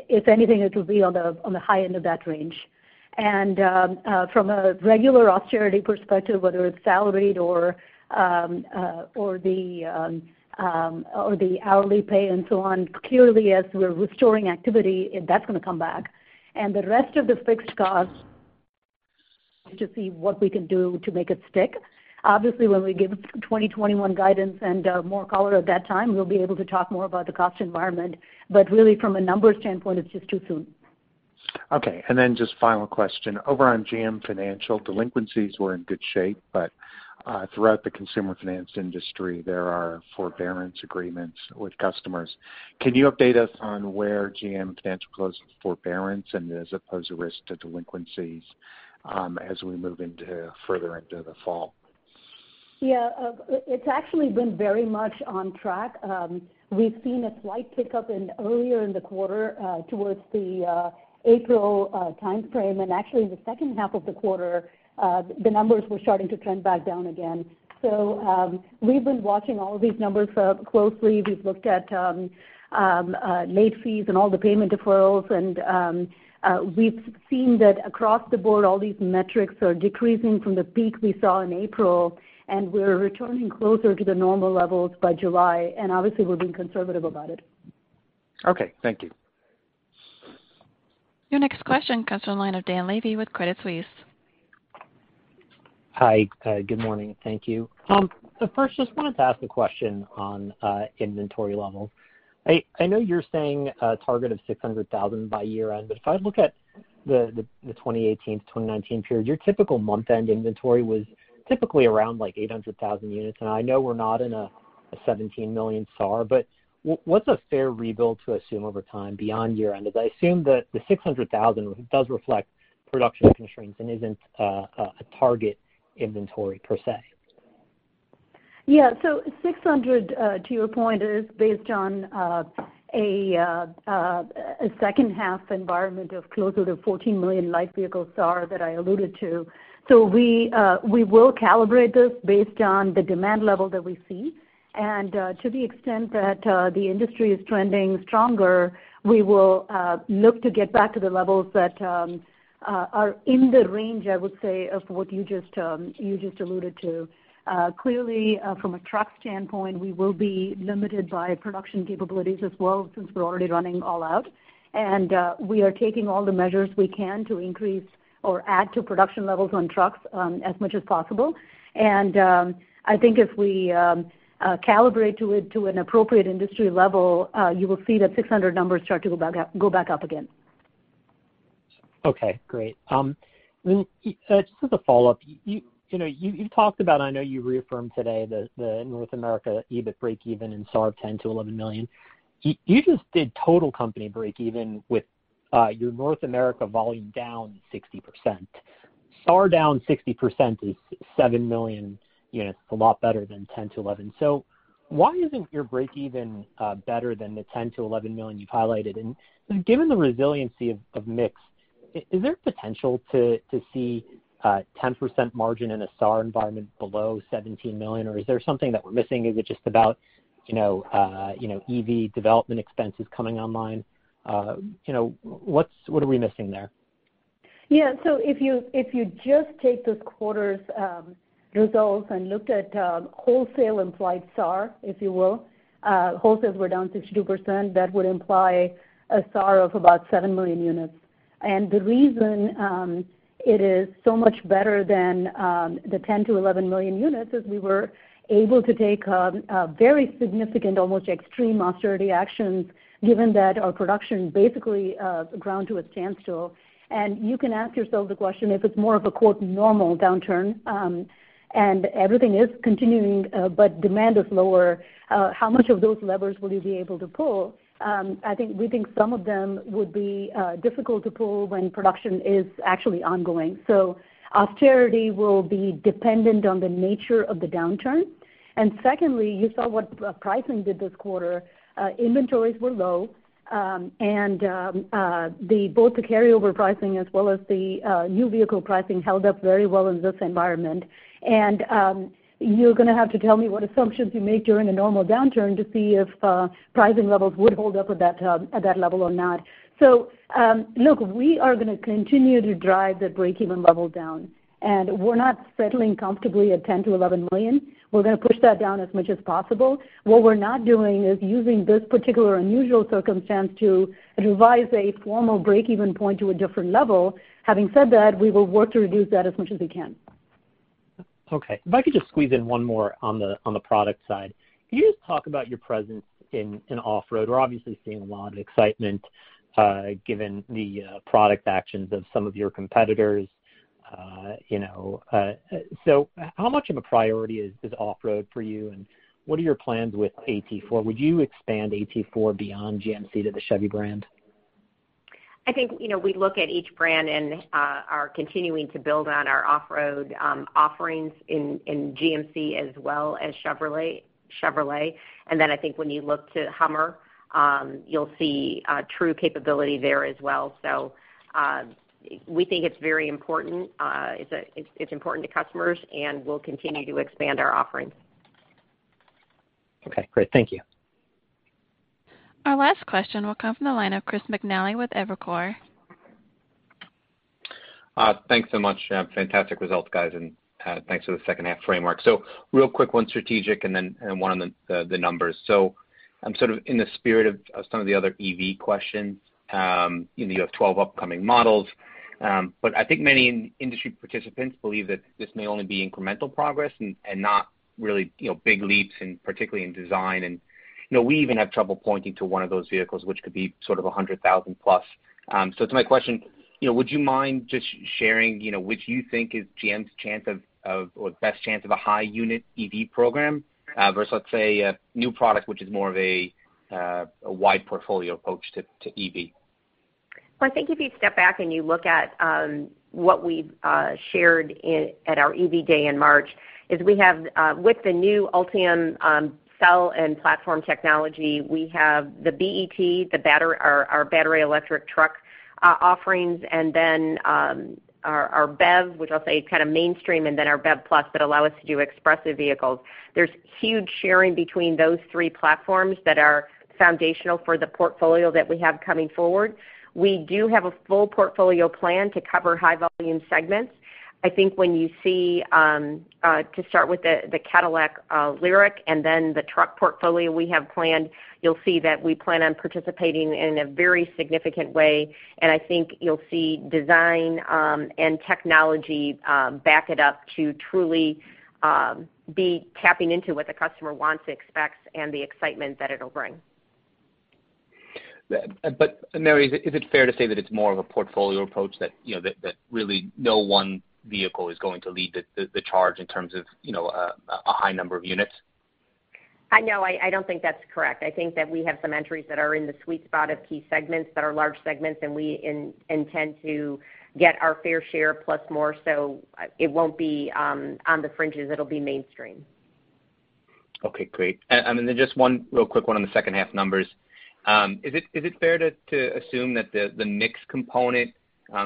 If anything, it will be on the high end of that range. From a regular austerity perspective, whether it's salaried or the hourly pay and so on, clearly as we're restoring activity, that's going to come back. The rest of the fixed costs, to see what we can do to make it stick. Obviously, when we give 2021 guidance and more color at that time, we'll be able to talk more about the cost environment. Really from a numbers standpoint, it's just too soon.
Okay, just final question. Over on GM Financial, delinquencies were in good shape, but throughout the consumer finance industry, there are forbearance agreements with customers. Can you update us on where GM Financial goes with forbearance and does it pose a risk to delinquencies as we move further into the fall?
Yeah. It's actually been very much on track. We've seen a slight pickup in earlier in the quarter towards the April timeframe. Actually in the second half of the quarter, the numbers were starting to trend back down again. We've been watching all these numbers closely. We've looked at late fees and all the payment deferrals, and we've seen that across the board, all these metrics are decreasing from the peak we saw in April, and we're returning closer to the normal levels by July. Obviously, we're being conservative about it.
Okay. Thank you.
Your next question comes from the line of Dan Levy with Credit Suisse.
Hi. Good morning. Thank you. First, just wanted to ask a question on inventory levels. I know you're saying a target of 600,000 by year-end. If I look at the 2018/2019 period, your typical month-end inventory was typically around 800,000 units. I know we're not in a 17 million SAAR. What's a fair rebuild to assume over time beyond year-end? I assume that the 600,000 does reflect production constraints and isn't a target inventory per se.
600, to your point, is based on a second half environment of closer to 14 million light vehicle SAAR that I alluded to. We will calibrate this based on the demand level that we see. To the extent that the industry is trending stronger, we will look to get back to the levels that are in the range, I would say, of what you just alluded to. Clearly, from a truck standpoint, we will be limited by production capabilities as well, since we're already running all out. We are taking all the measures we can to increase or add to production levels on trucks, as much as possible. I think if we calibrate to an appropriate industry level, you will see that 600 numbers start to go back up again.
Okay. Great. Just as a follow-up, you've talked about, I know you reaffirmed today, the North America EBIT breakeven in SAAR of 10 million-11 million. You just did total company breakeven with your North America volume down 60%. SAAR down 60% is 7 million units. It's a lot better than 10 million-11 million. Why isn't your breakeven better than the 10 million-11 million you've highlighted? Given the resiliency of mix, is there potential to see 10% margin in a SAAR environment below $17 million, or is there something that we're missing? Is it just about EV development expenses coming online? What are we missing there?
If you just take this quarter's results and looked at wholesale implied SAAR, if you will, wholesales were down 62%. That would imply a SAAR of about 7 million units. The reason it is so much better than the 10 million-11 million units is we were able to take very significant, almost extreme austerity actions given that our production basically ground to a standstill. You can ask yourself the question, if it's more of a "normal downturn," and everything is continuing, but demand is lower, how much of those levers will you be able to pull? I think we think some of them would be difficult to pull when production is actually ongoing. Austerity will be dependent on the nature of the downturn. Secondly, you saw what pricing did this quarter. Inventories were low. Both the carryover pricing as well as the new vehicle pricing held up very well in this environment. You're going to have to tell me what assumptions you make during a normal downturn to see if pricing levels would hold up at that level or not. Look, we are going to continue to drive the breakeven level down, and we're not settling comfortably at 10 million-11 million. We're going to push that down as much as possible. What we're not doing is using this particular unusual circumstance to revise a formal breakeven point to a different level. Having said that, we will work to reduce that as much as we can.
Okay. If I could just squeeze in one more on the product side. Can you just talk about your presence in off-road? We're obviously seeing a lot of excitement, given the product actions of some of your competitors. How much of a priority is off-road for you, and what are your plans with AT4? Would you expand AT4 beyond GMC to the Chevy brand?
I think we look at each brand and are continuing to build on our off-road offerings in GMC as well as Chevrolet. I think when you look to HUMMER, you'll see true capability there as well. We think it's very important. It's important to customers, and we'll continue to expand our offerings.
Okay, great. Thank you.
Our last question will come from the line of Chris McNally with Evercore.
Thanks so much. Fantastic results, guys, and thanks for the second half framework. Real quick, one strategic and one on the numbers. I'm sort of in the spirit of some of the other EV questions. You have 12 upcoming models. I think many industry participants believe that this may only be incremental progress and not really big leaps, particularly in design. We even have trouble pointing to one of those vehicles which could be sort of 100,000+. To my question, would you mind just sharing which you think is GM's chance of, or the best chance of a high unit EV program versus, let's say, a new product, which is more of a wide portfolio approach to EV?
Well, I think if you step back and you look at what we've shared at our EV Day in March, is we have with the new Ultium cell and platform technology, we have the BET, our battery electric truck offerings, and then our BEV, which I'll say is kind of mainstream, and then our BEV+ that allow us to do expressive vehicles. There's huge sharing between those three platforms that are foundational for the portfolio that we have coming forward. We do have a full portfolio plan to cover high volume segments. I think when you see, to start with the Cadillac LYRIQ and then the truck portfolio we have planned, you'll see that we plan on participating in a very significant way, and I think you'll see design and technology back it up to truly be tapping into what the customer wants, expects, and the excitement that it'll bring.
Mary, is it fair to say that it's more of a portfolio approach, that really no one vehicle is going to lead the charge in terms of a high number of units?
No, I don't think that's correct. I think that we have some entries that are in the sweet spot of key segments that are large segments, and we intend to get our fair share plus more. It won't be on the fringes; it'll be mainstream.
Okay, great. Just one real quick one on the second half numbers. Is it fair to assume that the mix component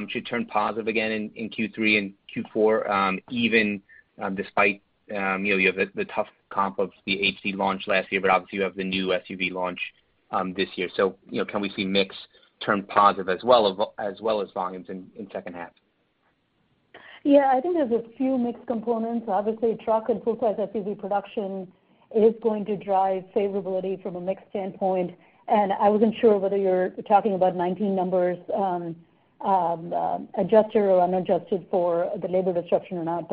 should turn positive again in Q3 and Q4, even despite you have the tough comp of the HD launch last year, but obviously you have the new SUV launch this year. Can we see mix turn positive as well as volumes in second half?
Yeah, I think there's a few mix components. Obviously, truck and full-size SUV production is going to drive favorability from a mix standpoint. I wasn't sure whether you were talking about 2019 numbers, adjusted or unadjusted for the labor disruption or not.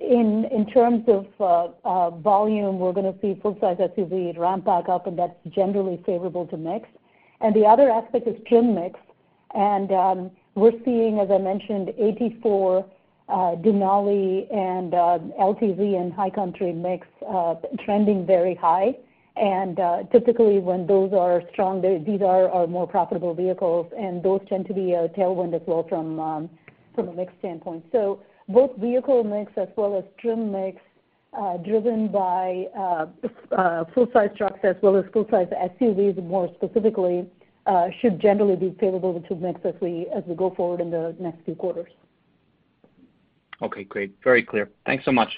In terms of volume, we're going to see full-size SUV ramp back up, and that's generally favorable to mix. The other aspect is trim mix. We're seeing, as I mentioned, AT4, Denali, and LTZ, and High Country mix trending very high. Typically when those are strong, these are our more profitable vehicles, and those tend to be a tailwind as well from a mix standpoint. Both vehicle mix as well as trim mix, driven by full-size trucks as well as full-size SUVs more specifically, should generally be favorable to mix as we go forward in the next few quarters.
Okay, great. Very clear. Thanks so much.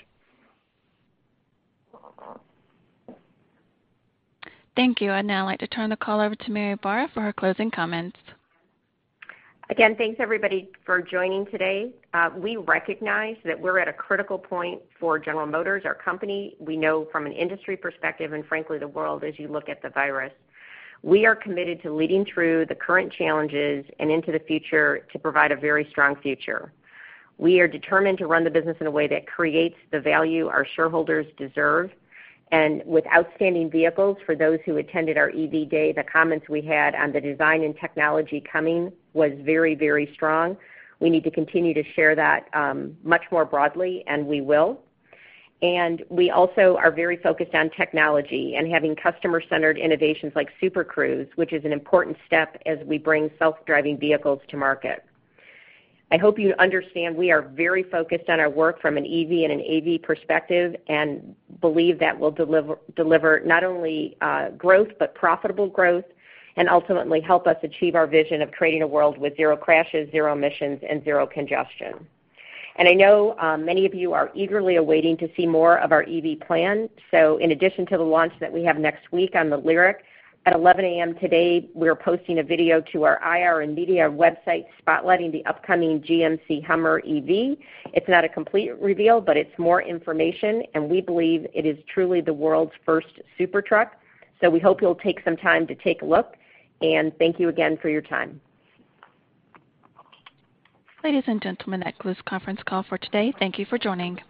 Thank you. I'd now like to turn the call over to Mary Barra for her closing comments.
Again, thanks everybody for joining today. We recognize that we're at a critical point for General Motors, our company. We know from an industry perspective, frankly, the world, as you look at the virus. We are committed to leading through the current challenges and into the future to provide a very strong future. We are determined to run the business in a way that creates the value our shareholders deserve. With outstanding vehicles, for those who attended our EV Day, the comments we had on the design and technology coming was very, very strong. We need to continue to share that much more broadly, and we will. We also are very focused on technology and having customer-centered innovations like Super Cruise, which is an important step as we bring self-driving vehicles to market. I hope you understand we are very focused on our work from an EV and an AV perspective and believe that will deliver not only growth, but profitable growth, and ultimately help us achieve our vision of creating a world with zero crashes, zero emissions, and zero congestion. I know many of you are eagerly awaiting to see more of our EV plan. In addition to the launch that we have next week on the LYRIQ, at 11:00 A.M. today, we are posting a video to our IR and media website spotlighting the upcoming GMC HUMMER EV. It's not a complete reveal, but it's more information, and we believe it is truly the world's first super truck. We hope you'll take some time to take a look, and thank you again for your time.
Ladies and gentlemen, that concludes conference call for today. Thank you for joining.